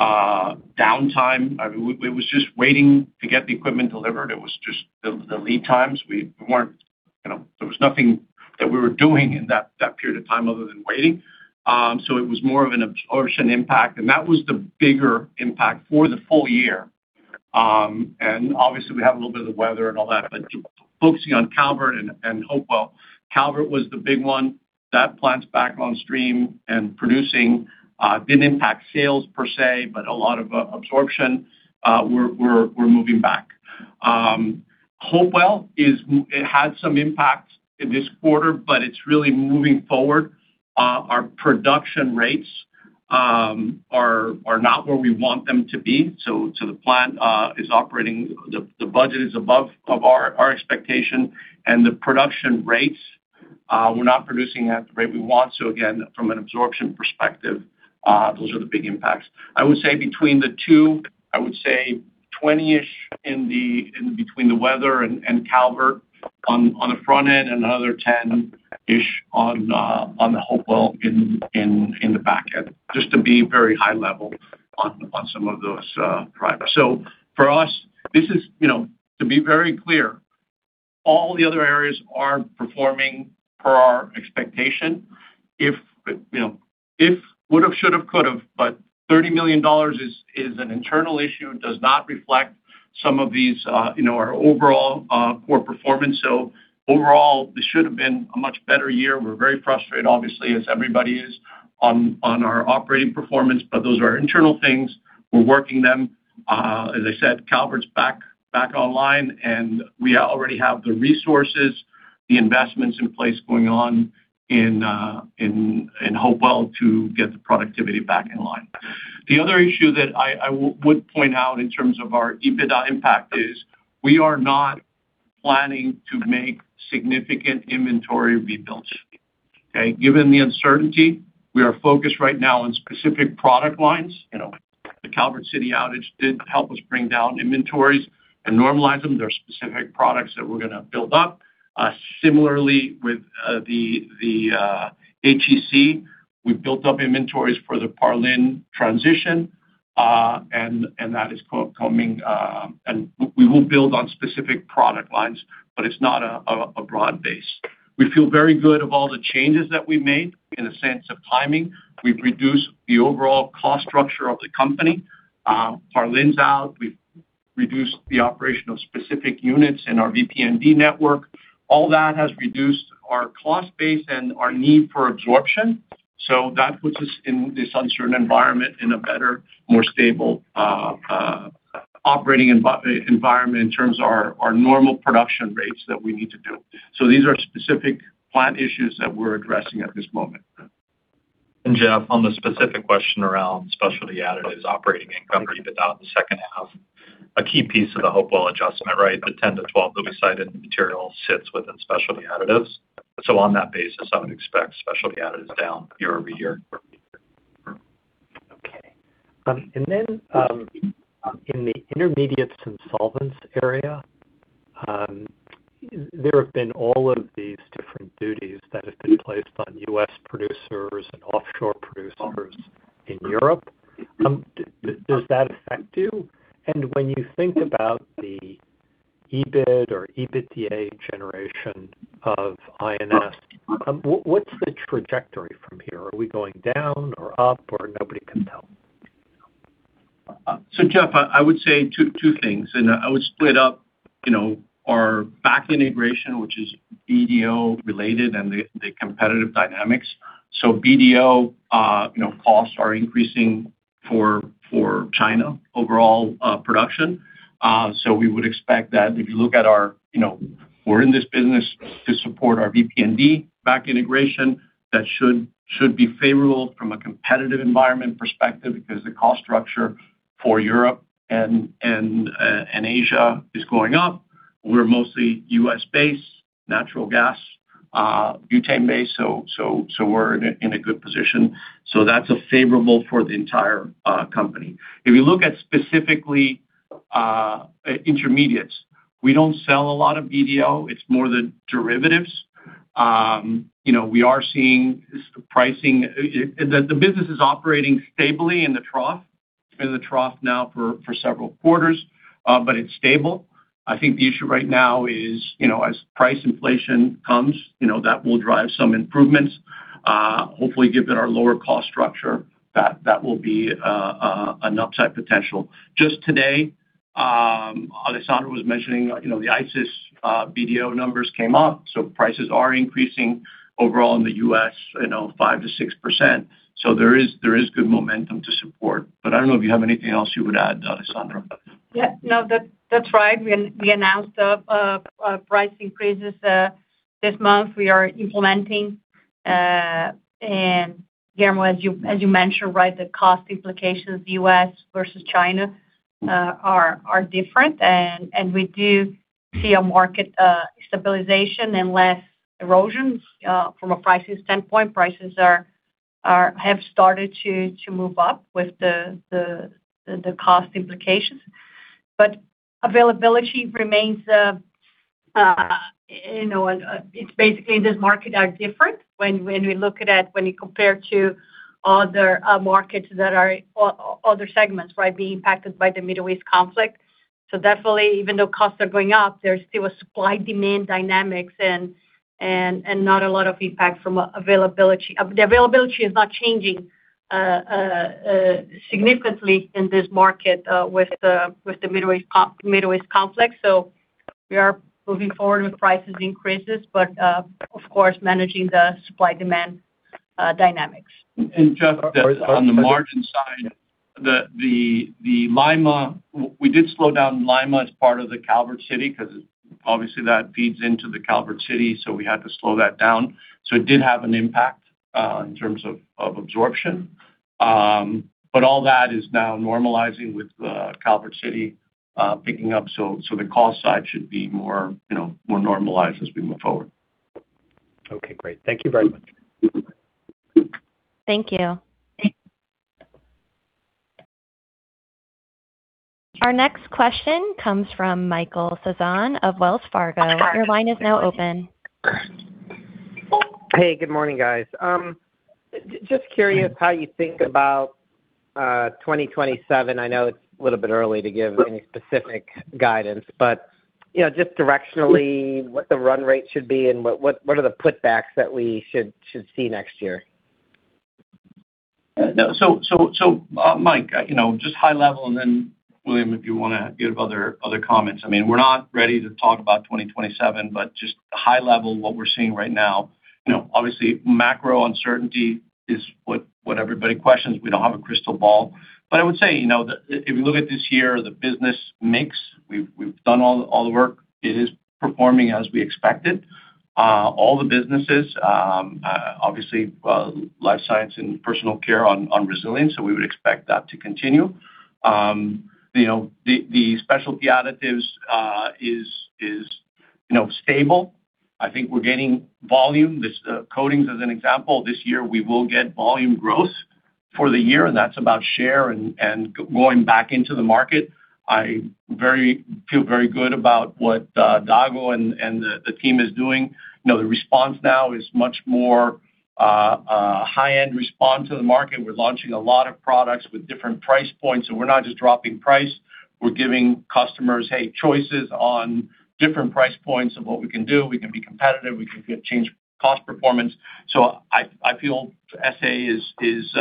downtime. I mean, we was just waiting to get the equipment delivered. It was just the lead times. We weren't, you know, there was nothing that we were doing in that period of time other than waiting. It was more of an absorption impact, and that was the bigger impact for the full year. Obviously, we have a little bit of the weather and all that. Focusing on Calvert and Hopewell, Calvert was the big one. That plant's back on stream and producing, didn't impact sales per se, but a lot of absorption, we're moving back. Hopewell had some impact in this quarter, but it's really moving forward. Our production rates are not where we want them to be. The plant is operating, the budget is above our expectation, and the production rates, we're not producing at the rate we want. Again, from an absorption perspective, those are the big impacts. I would say between the two, I would say $20-ish between the weather and Calvert on the front end, and another $10-ish on Hopewell in the back end, just to be very high level on some of those drivers. For us, this is, you know, to be very clear. All the other areas are performing per our expectation. If, you know, if would've, should've, could've, but $30 million is an internal issue. It does not reflect some of these, you know, our overall core performance. Overall, this should have been a much better year. We're very frustrated obviously, as everybody is on our operating performance, but those are internal things. We're working them. As I said, Calvert's back online, and we already have the resources, the investments in place going on in Hopewell to get the productivity back in line. The other issue that I would point out in terms of our EBITDA impact is we are not planning to make significant inventory rebuilds. Okay. Given the uncertainty, we are focused right now on specific product lines. You know, the Calvert City outage did help us bring down inventories and normalize them. There are specific products that we're gonna build up. Similarly with the HEC, we've built up inventories for the Parlin transition, and that is coming. We will build on specific product lines, but it's not a broad base. We feel very good of all the changes that we made in the sense of timing. We've reduced the overall cost structure of the company. Parlin's out. We've reduced the operation of specific units in our VP&E network. All that has reduced our cost base and our need for absorption. That puts us in this uncertain environment in a better, more stable operating environment in terms of our normal production rates that we need to do. These are specific plant issues that we're addressing at this moment. Jeff, on the specific question around Specialty Additives operating in EBITDA in the second half, a key piece of the Hopewell adjustment, right, the 10-12 Laponite material sits within Specialty Additives. On that basis, I would expect Specialty Additives down year-over-year. Okay. Then, in the Intermediates and solvents area, there have been all of these different duties that have been placed on U.S. producers and offshore producers in Europe. Does that affect you? When you think about the EBIT or EBITDA generation of INS, what's the trajectory from here? Are we going down or up or nobody can tell? Jeff, I would say two things, I would split up, you know, our back integration, which is BDO related and the competitive dynamics. BDO, you know, costs are increasing for China overall production. We would expect that if you look at our, you know, we're in this business to support our VP&D back integration. That should be favorable from a competitive environment perspective because the cost structure for Europe and Asia is going up. We're mostly U.S.-based natural gas, butane-based, so we're in a good position. That's a favorable for the entire company. If you look at specifically Intermediates, we don't sell a lot of BDO. It's more the derivatives. You know, we are seeing pricing. The business is operating stably in the trough. It's been in the trough now for several quarters, but it's stable. I think the issue right now is, you know, as price inflation comes, you know, that will drive some improvements. Hopefully given our lower cost structure, that will be an upside potential. Just today, Alessandra was mentioning, you know, the ICIS BDO numbers came up, prices are increasing overall in the U.S., you know, 5%-6%. There is good momentum to support. I don't know if you have anything else you would add, Alessandra. Yeah, no. That is right. We announced price increases this month. We are implementing. Guillermo, as you mentioned, right, the cost implications U.S. versus China are different. We do see a market stabilization and less erosions from a pricing standpoint. Prices have started to move up with the cost implications. Availability remains, you know, it is basically this market are different when we look at it, when you compare to other markets that are other segments, right, being impacted by the Middle East conflict. Definitely even though costs are going up, there is still a supply-demand dynamics and not a lot of impact from availability. The availability is not changing significantly in this market with the Middle East conflict. We are moving forward with prices increases, but, of course, managing the supply-demand dynamics. Jeff, on the margin side, We did slow down Lima as part of the Calvert City because obviously that feeds into the Calvert City, so we had to slow that down. It did have an impact in terms of absorption. All that is now normalizing with Calvert City picking up. The cost side should be more, you know, more normalized as we move forward. Okay, great. Thank you very much. Thank you. Our next question comes from Michael Sison of Wells Fargo. Your line is now open. Hey, good morning, guys. Just curious how you think about 2027? I know it's a little bit early to give any specific guidance, but you know, just directionally, what the run rate should be and what are the put backs that we should see next year? No. Mike, you know, just high level, and then William, if you wanna give other comments. I mean, we're not ready to talk about 2027, just high level what we're seeing right now. You know, obviously macro uncertainty is what everybody questions. We don't have a crystal ball. I would say, you know, if we look at this year, the business mix, we've done all the work. It is performing as we expected. All the businesses, obviously, Life Sciences and Personal Care on resilience, we would expect that to continue. You know, Specialty Additives, stable. I think we're gaining volume. This coatings as an example, this year we will get volume growth for the year, and that's about share and going back into the market. I feel very good about what Dago and the team is doing. You know, the response now is much more a high-end response to the market. We're launching a lot of products with different price points, and we're not just dropping price. We're giving customers, hey, choices on different price points of what we can do. We can be competitive. We can get change cost performance. I feel SA is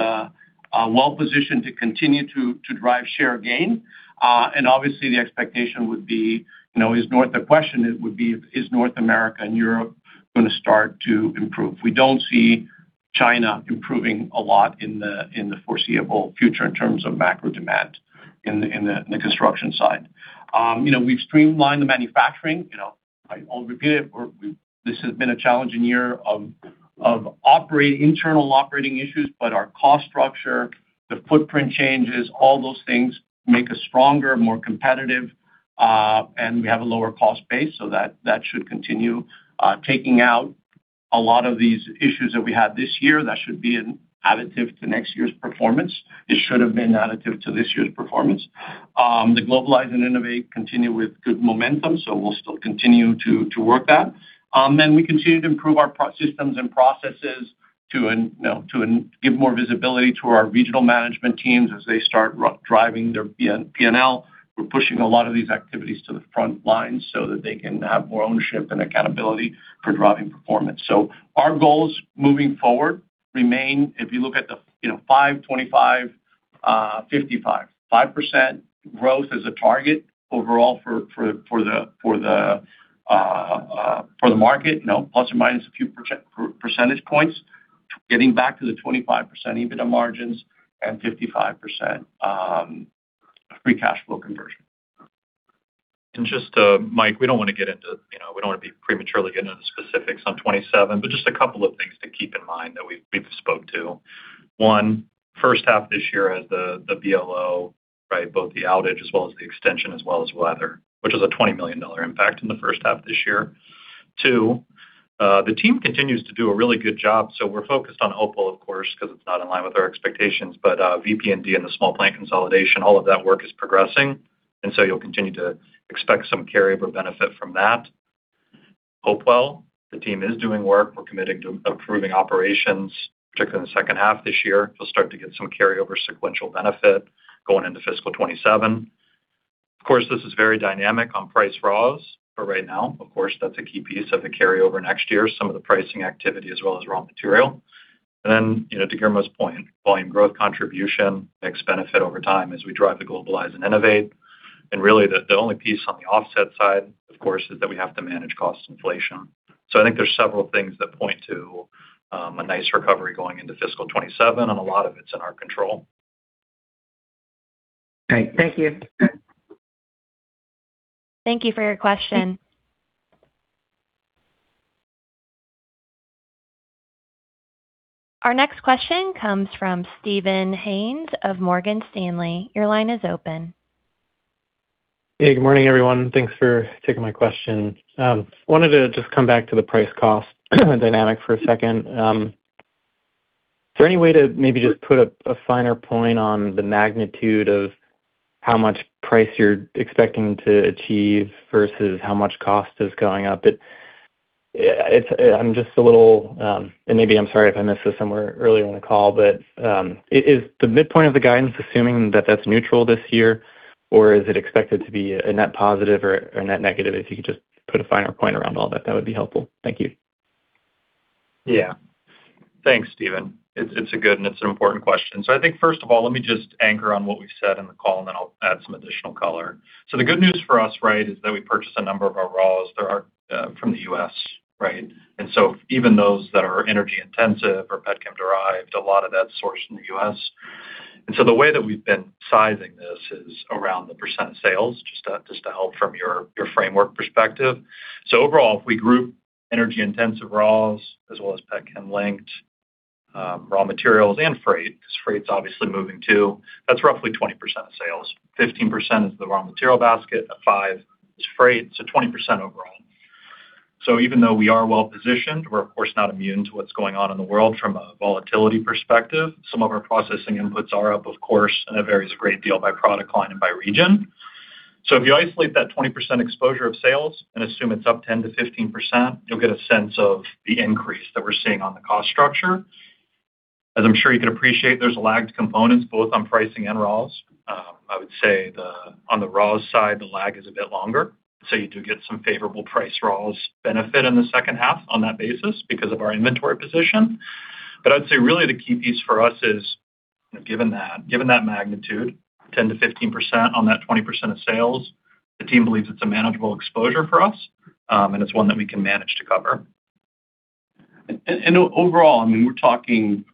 well-positioned to continue to drive share gain. Obviously the expectation would be, you know, the question it would be, is North America and Europe gonna start to improve? We don't see China improving a lot in the foreseeable future in terms of macro demand in the construction side. You know, we've streamlined the manufacturing. You know, I won't repeat it. This has been a challenging year of internal operating issues. Our cost structure, the footprint changes, all those things make us stronger, more competitive, and we have a lower cost base, so that should continue taking out a lot of these issues that we had this year. That should be an additive to next year's performance. It should have been additive to this year's performance. The globalize and innovate continue with good momentum, we'll still continue to work that. We continue to improve our systems and processes to give more visibility to our regional management teams as they start driving their P&L. We're pushing a lot of these activities to the front lines so that they can have more ownership and accountability for driving performance. Our goals moving forward remain, if you look at the, you know, 5%, 25%, 55%. 5% growth as a target overall for the market, plus or minus a few percentage points. Getting back to the 25% EBITDA margins and 55% free cash flow conversion. Mike, we don't want to get into, you know, we don't want to be prematurely getting into specifics on 2027, but just a couple of things to keep in mind that we've spoken to. One, first half this year as the VLO, right, both the outage as well as the extension, as well as weather, which is a $20 million impact in the first half of this year. Two, the team continues to do a really good job, so we're focused on Hopewell, of course, because it's not in line with our expectations. VP&D and the small plant consolidation, all of that work is progressing. You will continue to expect some carryover benefit from that. Hopewell, the team is doing work. We are committing to improving operations, particularly in the second half this year. You'll start to get some carryover sequential benefit going into fiscal 2027. This is very dynamic on price raws for right now. That's a key piece of the carryover next year, some of the pricing activity as well as raw material. You know, to Guillermo's point, volume growth contribution makes benefit over time as we drive the globalize and innovate. Really, the only piece on the offset side, of course, is that we have to manage cost inflation. I think there are several things that point to a nice recovery going into fiscal 2027, and a lot of it's in our control. Great. Thank you. Thank you for your question. Our next question comes from Steven Haynes of Morgan Stanley. Your line is open. Hey, good morning, everyone. Thanks for taking my question. Wanted to just come back to the price cost dynamic for a second. Is there any way to maybe just put a finer point on the magnitude of how much price you're expecting to achieve versus how much cost is going up? I'm just a little. Maybe I'm sorry if I missed this somewhere earlier in the call, but is the midpoint of the guidance assuming that that's neutral this year, or is it expected to be a net positive or net negative? If you could just put a finer point around all that would be helpful. Thank you. Yeah. Thanks, Steven. It's a good and it's an important question. I think first of all, let me just anchor on what we've said in the call, and then I'll add some additional color. The good news for us, right, is that we purchased a number of our raws. They are from the U.S., right? Even those that are energy intensive or pet chem derived, a lot of that's sourced in the U.S. The way that we've been sizing this is around the percent sales, just to help from your framework perspective. Overall, if we group energy-intensive raws as well as pet chem-linked raw materials and freight, 'cause freight's obviously moving too, that's roughly 20% of sales. 15% is the raw material basket, 5% is freight, so 20% overall. Even though we are well-positioned, we're of course not immune to what's going on in the world from a volatility perspective. Some of our processing inputs are up, of course, and it varies a great deal by product line and by region. If you isolate that 20% exposure of sales and assume it's up 10%-15%, you'll get a sense of the increase that we're seeing on the cost structure. I would say on the raws side, the lag is a bit longer. You do get some favorable price raws benefit in the second half on that basis because of our inventory position. I'd say really the key piece for us is given that magnitude, 10%-15% on that 20% of sales, the team believes it's a manageable exposure for us, and it's one that we can manage to cover. Overall, I mean, we're talking,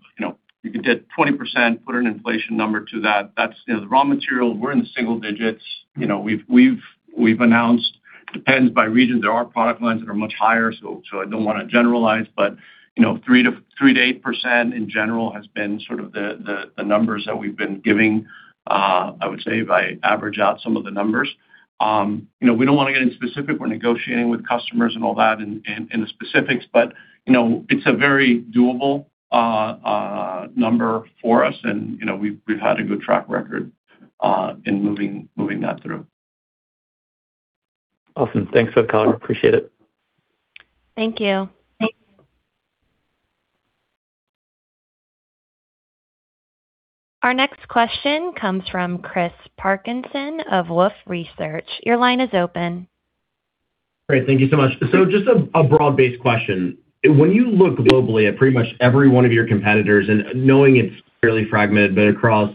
you know, if you did 20%, put an inflation number to that's, you know, the raw material, we're in the single digits. You know, we've announced depends by region. There are product lines that are much higher, so I don't wanna generalize. You know, 3%-8% in general has been sort of the numbers that we've been giving, I would say, if I average out some of the numbers. You know, we don't wanna get into specific. We're negotiating with customers and all that in the specifics, but, you know, it's a very doable number for us. You know, we've had a good track record in moving that through. Awesome. Thanks for the color. Appreciate it. Thank you. Our next question comes from Chris Parkinson of Wolfe Research. Your line is open. Great. Thank you so much. Just a broad-based question. When you look globally at pretty much every one of your competitors and knowing it's fairly fragmented, but across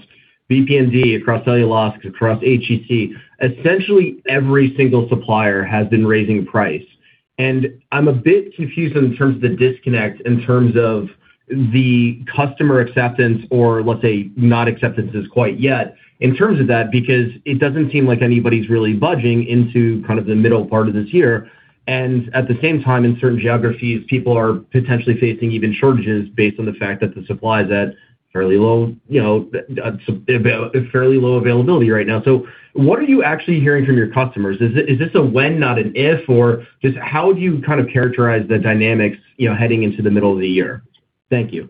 VP&D, across cellulose, across HEC, essentially every single supplier has been raising price. I'm a bit confused in terms of the disconnect in terms of the customer acceptance or let's say not acceptances quite yet in terms of that, because it doesn't seem like anybody's really budging into kind of the middle part of this year. At the same time, in certain geographies, people are potentially facing even shortages based on the fact that the supply is at fairly low, you know, availability right now. What are you actually hearing from your customers? Is this a when, not an if, or just how do you kind of characterize the dynamics, you know, heading into the middle of the year? Thank you.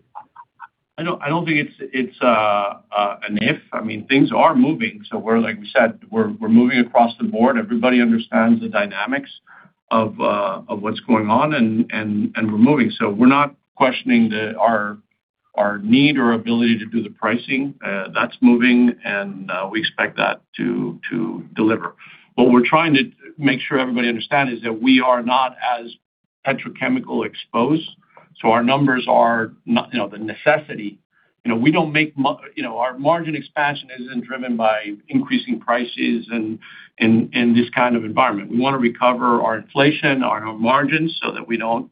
I don't think it's an if. I mean, things are moving. Like we said, we're moving across the board. Everybody understands the dynamics of what's going on and we're moving. We're not questioning our need or ability to do the pricing. That's moving, and we expect that to deliver. What we're trying to make sure everybody understand is that we are not as petrochemical exposed, so our numbers are not, you know, the necessity. You know, we don't make, you know, our margin expansion isn't driven by increasing prices in this kind of environment. We wanna recover our inflation on our margins so that we don't,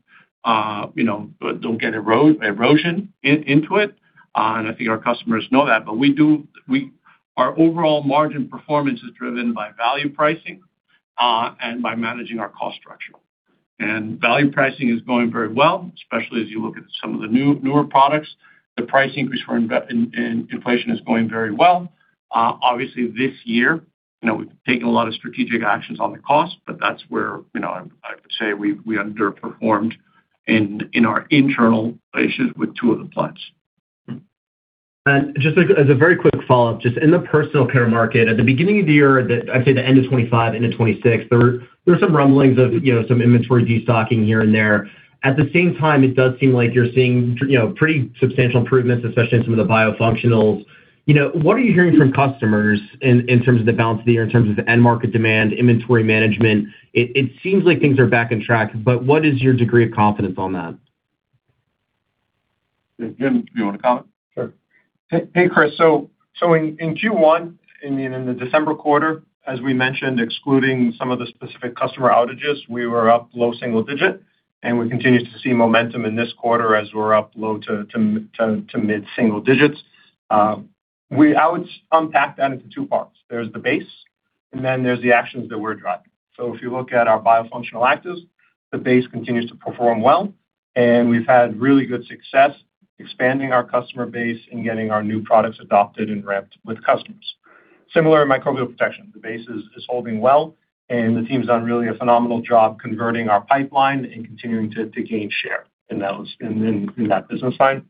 you know, don't get erosion into it. I think our customers know that. Our overall margin performance is driven by value pricing and by managing our cost structure. Value pricing is going very well, especially as you look at some of the newer products. The price increase we're invest in inflation is going very well. Obviously, this year, you know, we've taken a lot of strategic actions on the cost, but that's where, you know, I'd say we underperformed in our internal relations with two of the plants. Just, like, as a very quick follow-up, just in the Personal Care market, at the beginning of the year, the end of 2025 into 2026, there were some rumblings of, you know, some inventory destocking here and there. At the same time, it does seem like you're seeing, you know, pretty substantial improvements, especially in some of the biofunctionals. You know, what are you hearing from customers in terms of the balance of the year, in terms of the end market demand, inventory management? It seems like things are back on track, but what is your degree of confidence on that? Jim, do you wanna comment? Sure. Hey, Chris. In Q1, in the December quarter, as we mentioned, excluding some of the specific customer outages, we were up low single digit, and we continue to see momentum in this quarter as we're up low to mid single digits. I would unpack that into two parts. There's the base, and then there's the actions that we're driving. If you look at our biofunctional actives, the base continues to perform well, and we've had really good success expanding our customer base and getting our new products adopted and repped with customers. Similar in Microbial Protection, the base is holding well, and the team's done really a phenomenal job converting our pipeline and continuing to gain share in that business line.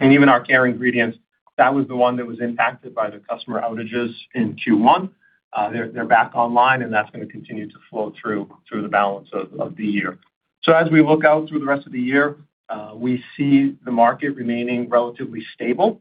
Even our Care Ingredients, that was the one that was impacted by the customer outages in Q1. They're, they're back online, and that's gonna continue to flow through the balance of the year. As we look out through the rest of the year, we see the market remaining relatively stable.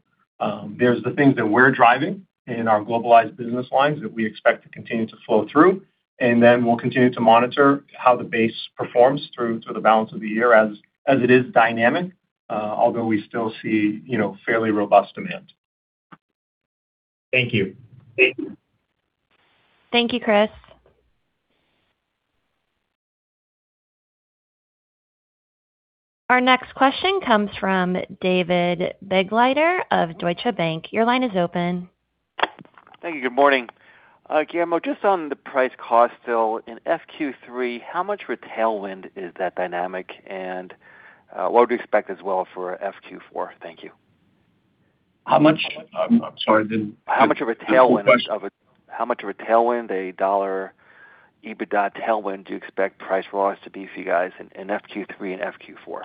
There's the things that we're driving in our globalized business lines that we expect to continue to flow through. We'll continue to monitor how the base performs through to the balance of the year as it is dynamic, although we still see, you know, fairly robust demand. Thank you. Thank you. Thank you, Chris. Our next question comes from David Begleiter of Deutsche Bank. Your line is open. Thank you. Good morning. Guillermo, just on the price cost still, in FQ3, how much of a tailwind is that dynamic? What would you expect as well for FQ4? Thank you. How much? I'm sorry. How much of a tailwind? That was a good question. How much of a tailwind, a dollar EBITDA tailwind do you expect price for us to be for you guys in FQ3 and FQ4?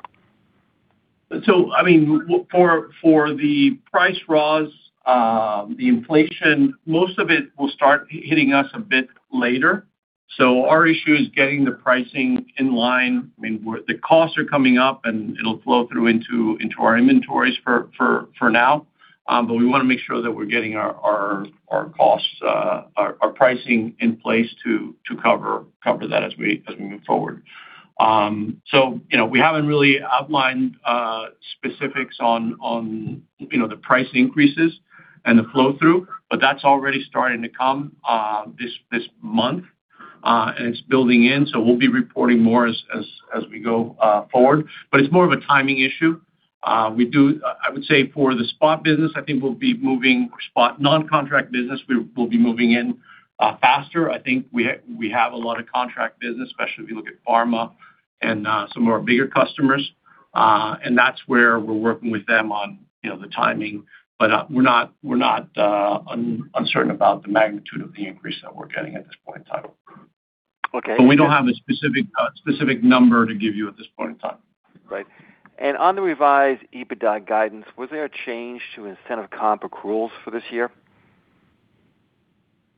I mean, for the price raws, the inflation, most of it will start hitting us a bit later. Our issue is getting the pricing in line. I mean, the costs are coming up, and it'll flow through into our inventories for now. We wanna make sure that we're getting our costs, our pricing in place to cover that as we move forward. You know, we haven't really outlined specifics on, you know, the price increases and the flow through, but that's already starting to come this month. It's building in, we'll be reporting more as we go forward. It's more of a timing issue. We do. I would say for the spot business, I think we'll be moving more spot non-contract business. We will be moving in faster. I think we have a lot of contract business, especially if you look at pharma and some of our bigger customers. That's where we're working with them on, you know, the timing. We're not uncertain about the magnitude of the increase that we're getting at this point in time. Okay. We don't have a specific number to give you at this point in time. Right. On the revised EBITDA guidance, was there a change to incentive comp accruals for this year?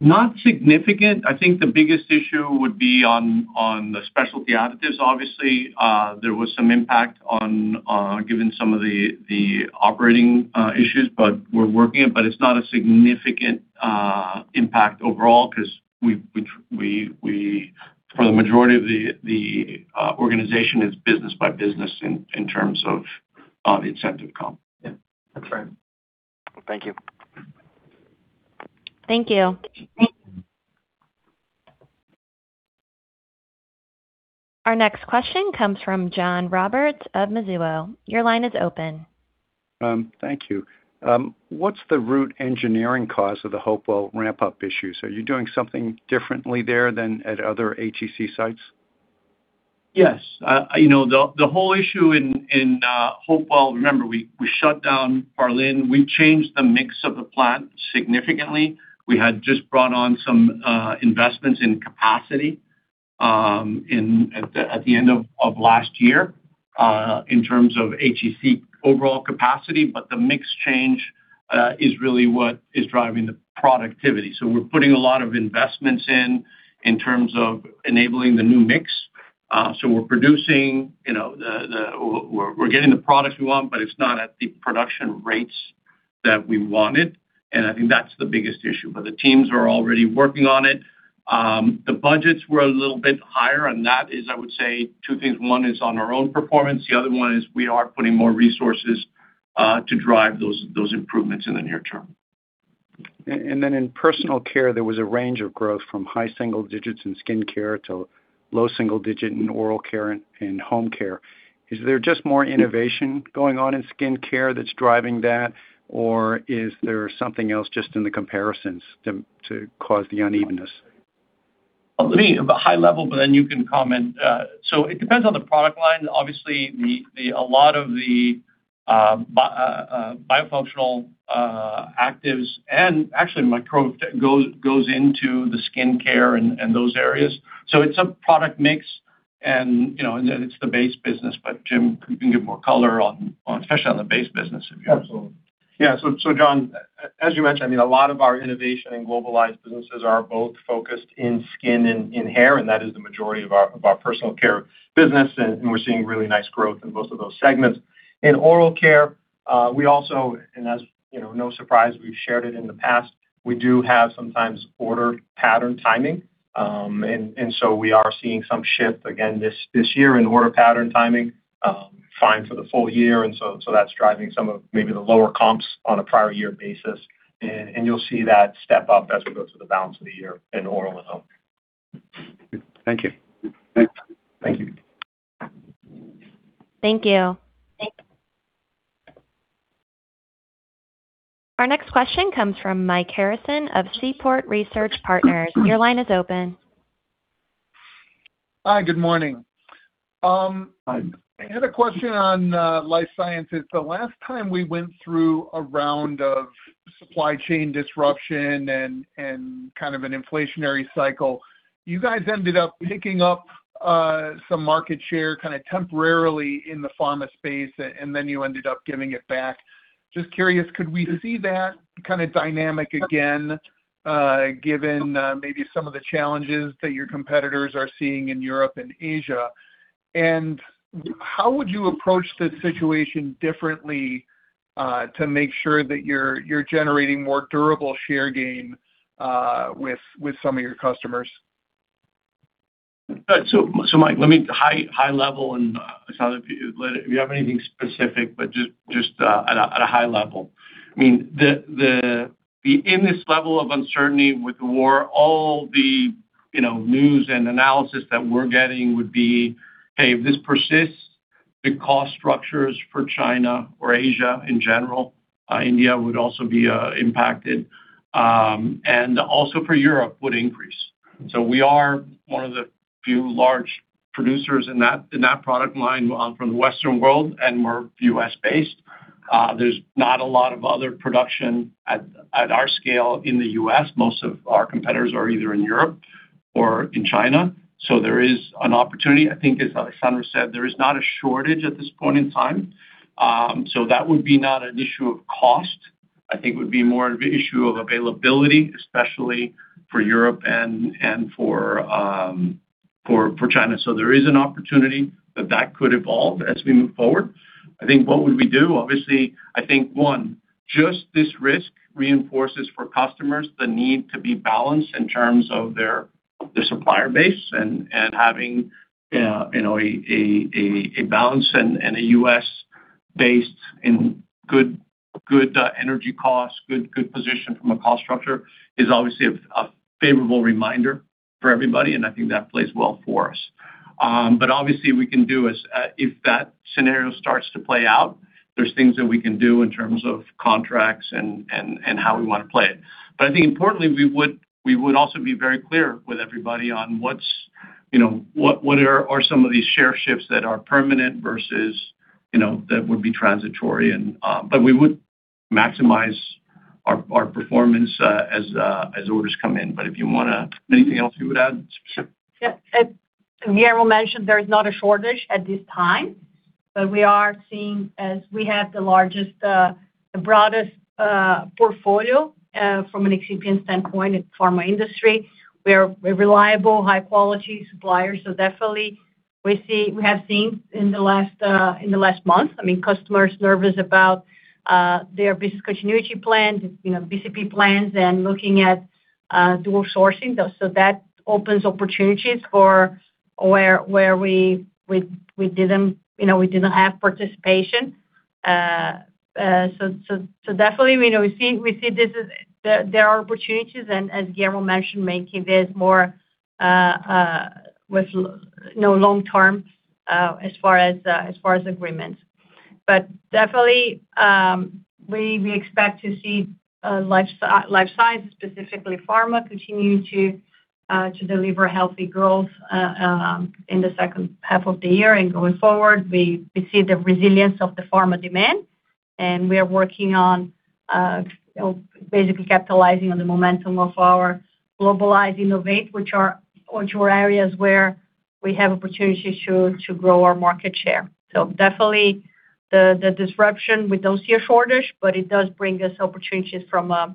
Not significant. I think the biggest issue would be on the Specialty Additives, obviously. There was some impact on given some of the operating issues, but we're working it. It's not a significant impact overall 'cause for the majority of the organization is business by business in terms of the incentive comp. Yeah, that's right. Thank you. Thank you. Our next question comes from John Roberts of Mizuho. Your line is open. Thank you. What's the root engineering cause of the Hopewell ramp-up issues? Are you doing something differently there than at other HEC sites? Yes. You know, the whole issue in Hopewell, remember we shut down Parlin. We changed the mix of the plant significantly. We had just brought on some investments in capacity at the end of last year in terms of HEC overall capacity. The mix change is really what is driving the productivity. We're putting a lot of investments in in terms of enabling the new mix. We're producing, you know, the products we want, but it's not at the production rates that we wanted, and I think that's the biggest issue. The teams are already working on it. The budgets were a little bit higher, and that is, I would say, two things. One is on our own performance, the other one is we are putting more resources to drive those improvements in the near term. In personal care, there was a range of growth from high single digits in skincare to low single digit in oral care and home care. Is there just more innovation going on in skincare that's driving that, or is there something else just in the comparisons to cause the unevenness? Let me high level, but then you can comment. It depends on the product line. Obviously, the biofunctional actives and actually micro goes into the skincare and those areas. It's a product mix and, you know, then it's the base business. Jim, you can give more color on especially on the base business if you want. Absolutely. Yeah. John, as you mentioned, I mean, a lot of our innovation and globalized businesses are both focused in skin and in hair, and that is the majority of our Personal Care business. We're seeing really nice growth in both of those segments. In oral care, we also, as you know, no surprise, we've shared it in the past, we do have sometimes order pattern timing. So we are seeing some shift again this year in order pattern timing, fine for the full year. That's driving some of maybe the lower comps on a prior year basis. You'll see that step up as we go through the balance of the year in oral and home. Thank you. Thanks. Thank you. Thank you. Our next question comes from Mike Harrison of Seaport Research Partners. Your line is open. Hi, good morning. Hi. I had a question on Life Sciences. The last time we went through a round of supply chain disruption and kind of an inflationary cycle, you guys ended up picking up some market share kinda temporarily in the pharma space, and then you ended up giving it back. Just curious, could we see that kinda dynamic again, given maybe some of the challenges that your competitors are seeing in Europe and Asia? How would you approach this situation differently to make sure that you're generating more durable share gain with some of your customers? Mike, let me high level and Alessandra, if you have anything specific, but just at a high level. I mean, in this level of uncertainty with the war, all the, you know, news and analysis that we're getting would be, "Hey, if this persists, the cost structures for China or Asia in general, India would also be impacted, and also for Europe would increase." We are one of the few large producers in that product line from the Western world, and we're U.S.-based. There's not a lot of other production at our scale in the U.S. Most of our competitors are either in Europe or in China. There is an opportunity. I think as Alessandra said, there is not a shortage at this point in time. That would be not an issue of cost. I think it would be more of an issue of availability, especially for Europe and for China. There is an opportunity that that could evolve as we move forward. I think what would we do? Obviously, I think, one, just this risk reinforces for customers the need to be balanced in terms of their supplier base and having, you know, a balance and a U.S.-based and good energy cost, good position from a cost structure is obviously a favorable reminder for everybody, and I think that plays well for us. Obviously, we can do is, if that scenario starts to play out, there's things that we can do in terms of contracts and how we wanna play it. I think importantly, we would also be very clear with everybody on what are some of these share shifts that are permanent versus, you know, that would be transitory. We would maximize our performance as orders come in. Anything else you would add, Alessandra? As Guillermo mentioned, there is not a shortage at this time, but we are seeing as we have the largest, the broadest, portfolio, from an excipient standpoint in pharma industry. We're a reliable, high-quality supplier. Definitely we have seen in the last month, I mean, customers nervous about their business continuity plans, you know, BCP plans, and looking at dual sourcing. That opens opportunities for where we didn't, you know, we didn't have participation. Definitely, you know, we see this as there are opportunities, and as Guillermo mentioned, making this more with you know, long term as far as agreements. Definitely, we expect to see Life Sciences, specifically pharma, continue to deliver healthy growth in the second half of the year and going forward. We see the resilience of the pharma demand, and we are working on, you know, basically capitalizing on the momentum of our globalized innovate, which are areas where we have opportunities to grow our market share. Definitely the disruption, we don't see a shortage, but it does bring us opportunities from a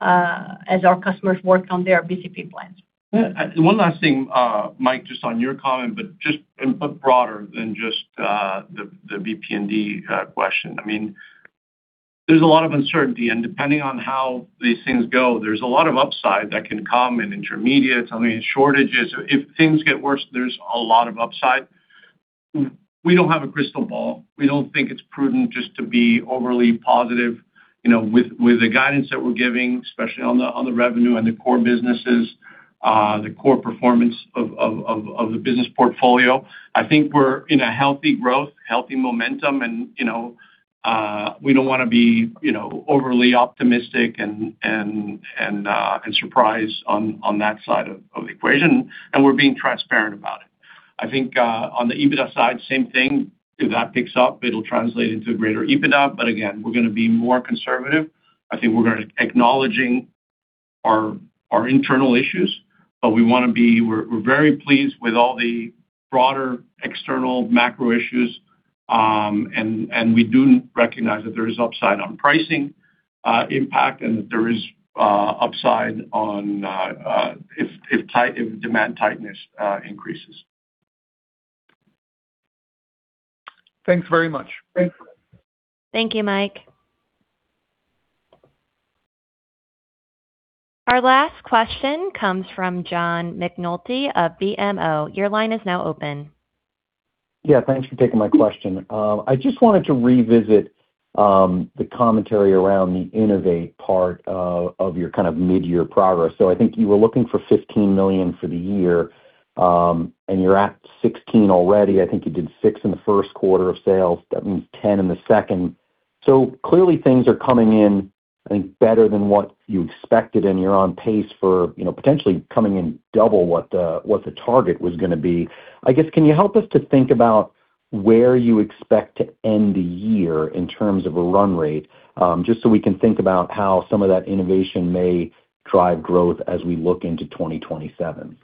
as our customers work on their BCP plans. Yeah. One last thing, Mike, just on your comment, but broader than just the VP&D question. I mean, there's a lot of uncertainty, and depending on how these things go, there's a lot of upside that can come in Intermediates. I mean, shortages. If things get worse, there's a lot of upside. We don't have a crystal ball. We don't think it's prudent just to be overly positive, you know, with the guidance that we're giving, especially on the revenue and the core businesses, the core performance of the business portfolio. I think we're in a healthy growth, healthy momentum, you know, we don't wanna be, you know, overly optimistic and surprised on that side of the equation, we're being transparent about it. I think, on the EBITDA side, same thing. If that picks up, it'll translate into greater EBITDA. Again, we're gonna be more conservative. I think acknowledging our internal issues, but we're very pleased with all the broader external macro issues. We do recognize that there is upside on pricing impact and that there is upside on if demand tightness increases. Thanks very much. Thanks. Thank you, Mike. Our last question comes from John McNulty of BMO. Your line is now open. Yeah, thanks for taking my question. I just wanted to revisit the commentary around the innovate part of your kind of mid-year progress. I think you were looking for $15 million for the year, and you're at $16 million already. I think you did $6 million in the first quarter of sales. That means $10 million in the second. Clearly, things are coming in, I think, better than what you expected, and you're on pace for, you know, potentially coming in double what the, what the target was gonna be. I guess, can you help us to think about where you expect to end the year in terms of a run rate? Just so we can think about how some of that innovation may drive growth as we look into 2027.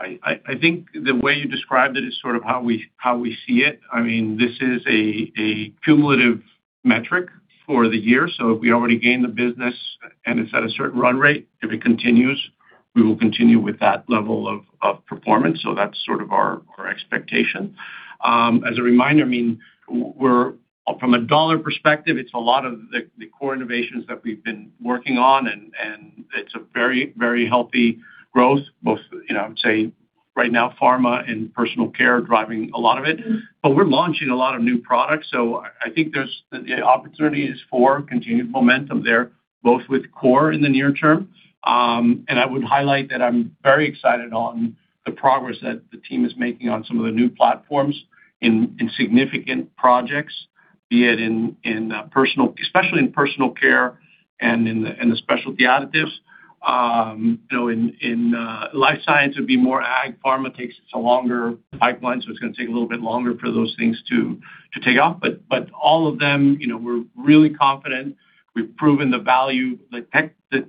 I think the way you described it is sort of how we see it. I mean, this is a cumulative metric for the year. If we already gain the business and it's at a certain run rate, if it continues, we will continue with that level of performance. That's sort of our expectation. As a reminder, I mean, we're from a dollar perspective, it's a lot of the core innovations that we've been working on and it's a very, very healthy growth. Most, you know, I would say right now, pharma and Personal Care are driving a lot of it. We're launching a lot of new products, so I think there's the opportunity is for continued momentum there, both with core in the near term. I would highlight that I'm very excited on the progress that the team is making on some of the new platforms in significant projects, be it especially in Personal Care and in the Specialty Additives. You know, in Life Sciences would be more ag pharma takes it to longer pipelines, so it's gonna take a little bit longer for those things to take off. All of them, you know, we're really confident. We've proven the value, the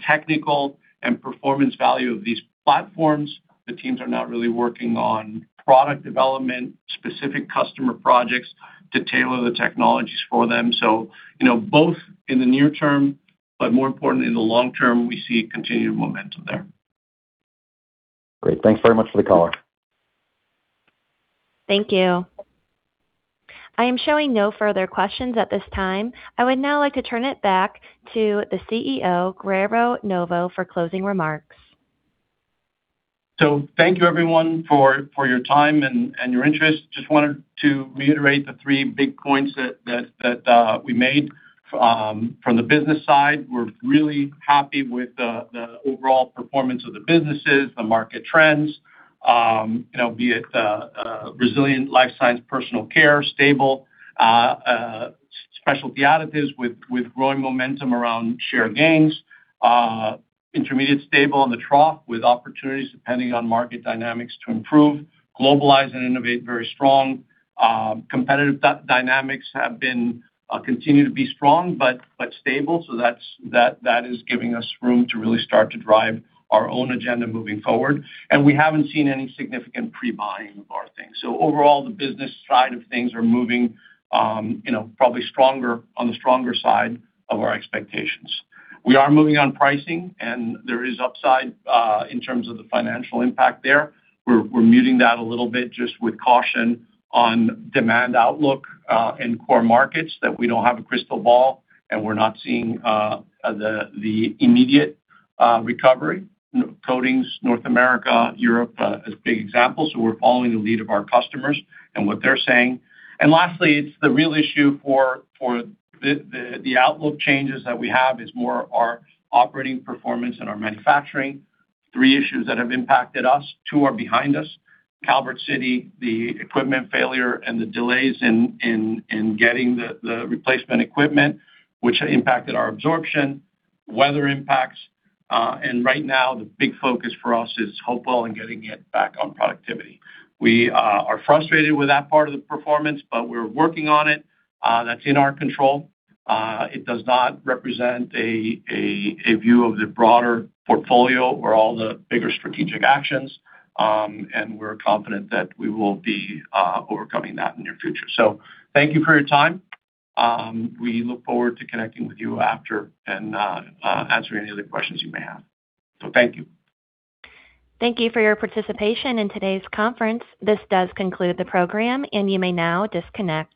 technical and performance value of these platforms. The teams are now really working on product development, specific customer projects to tailor the technologies for them. You know, both in the near term, but more importantly, in the long term, we see continued momentum there. Great. Thanks very much for the color. Thank you. I am showing no further questions at this time. I would now like to turn it back to the CEO, Guillermo Novo, for closing remarks. Thank you everyone for your time and your interest. Just wanted to reiterate the three big points that we made. From the business side, we're really happy with the overall performance of the businesses, the market trends. You know, be it Resilient, Life Sciences, Personal Care, stable. Specialty Additives with growing momentum around share gains. Intermediates stable in the trough with opportunities depending on market dynamics to improve. Globalize and innovate, very strong. Competitive dynamics have been, continue to be strong, but stable, that is giving us room to really start to drive our own agenda moving forward. We haven't seen any significant pre-buying of our things. Overall, the business side of things are moving, you know, probably stronger, on the stronger side of our expectations. We are moving on pricing, and there is upside in terms of the financial impact there. We're muting that a little bit just with caution on demand outlook in core markets that we don't have a crystal ball, and we're not seeing the immediate recovery. Coatings North America, Europe, as big examples. We're following the lead of our customers and what they're saying. Lastly, it's the real issue for the outlook changes that we have is more our operating performance and our manufacturing. Three issues that have impacted us, two are behind us. Calvert City, the equipment failure and the delays in getting the replacement equipment, which impacted our absorption. Weather impacts. Right now the big focus for us is Hopewell and getting it back on productivity. We are frustrated with that part of the performance, but we're working on it. That's in our control. It does not represent a view of the broader portfolio or all the bigger strategic actions. We're confident that we will be overcoming that in the near future. Thank you for your time. We look forward to connecting with you after and answering any other questions you may have. Thank you. Thank you for your participation in today's conference. This does conclude the program, and you may now disconnect.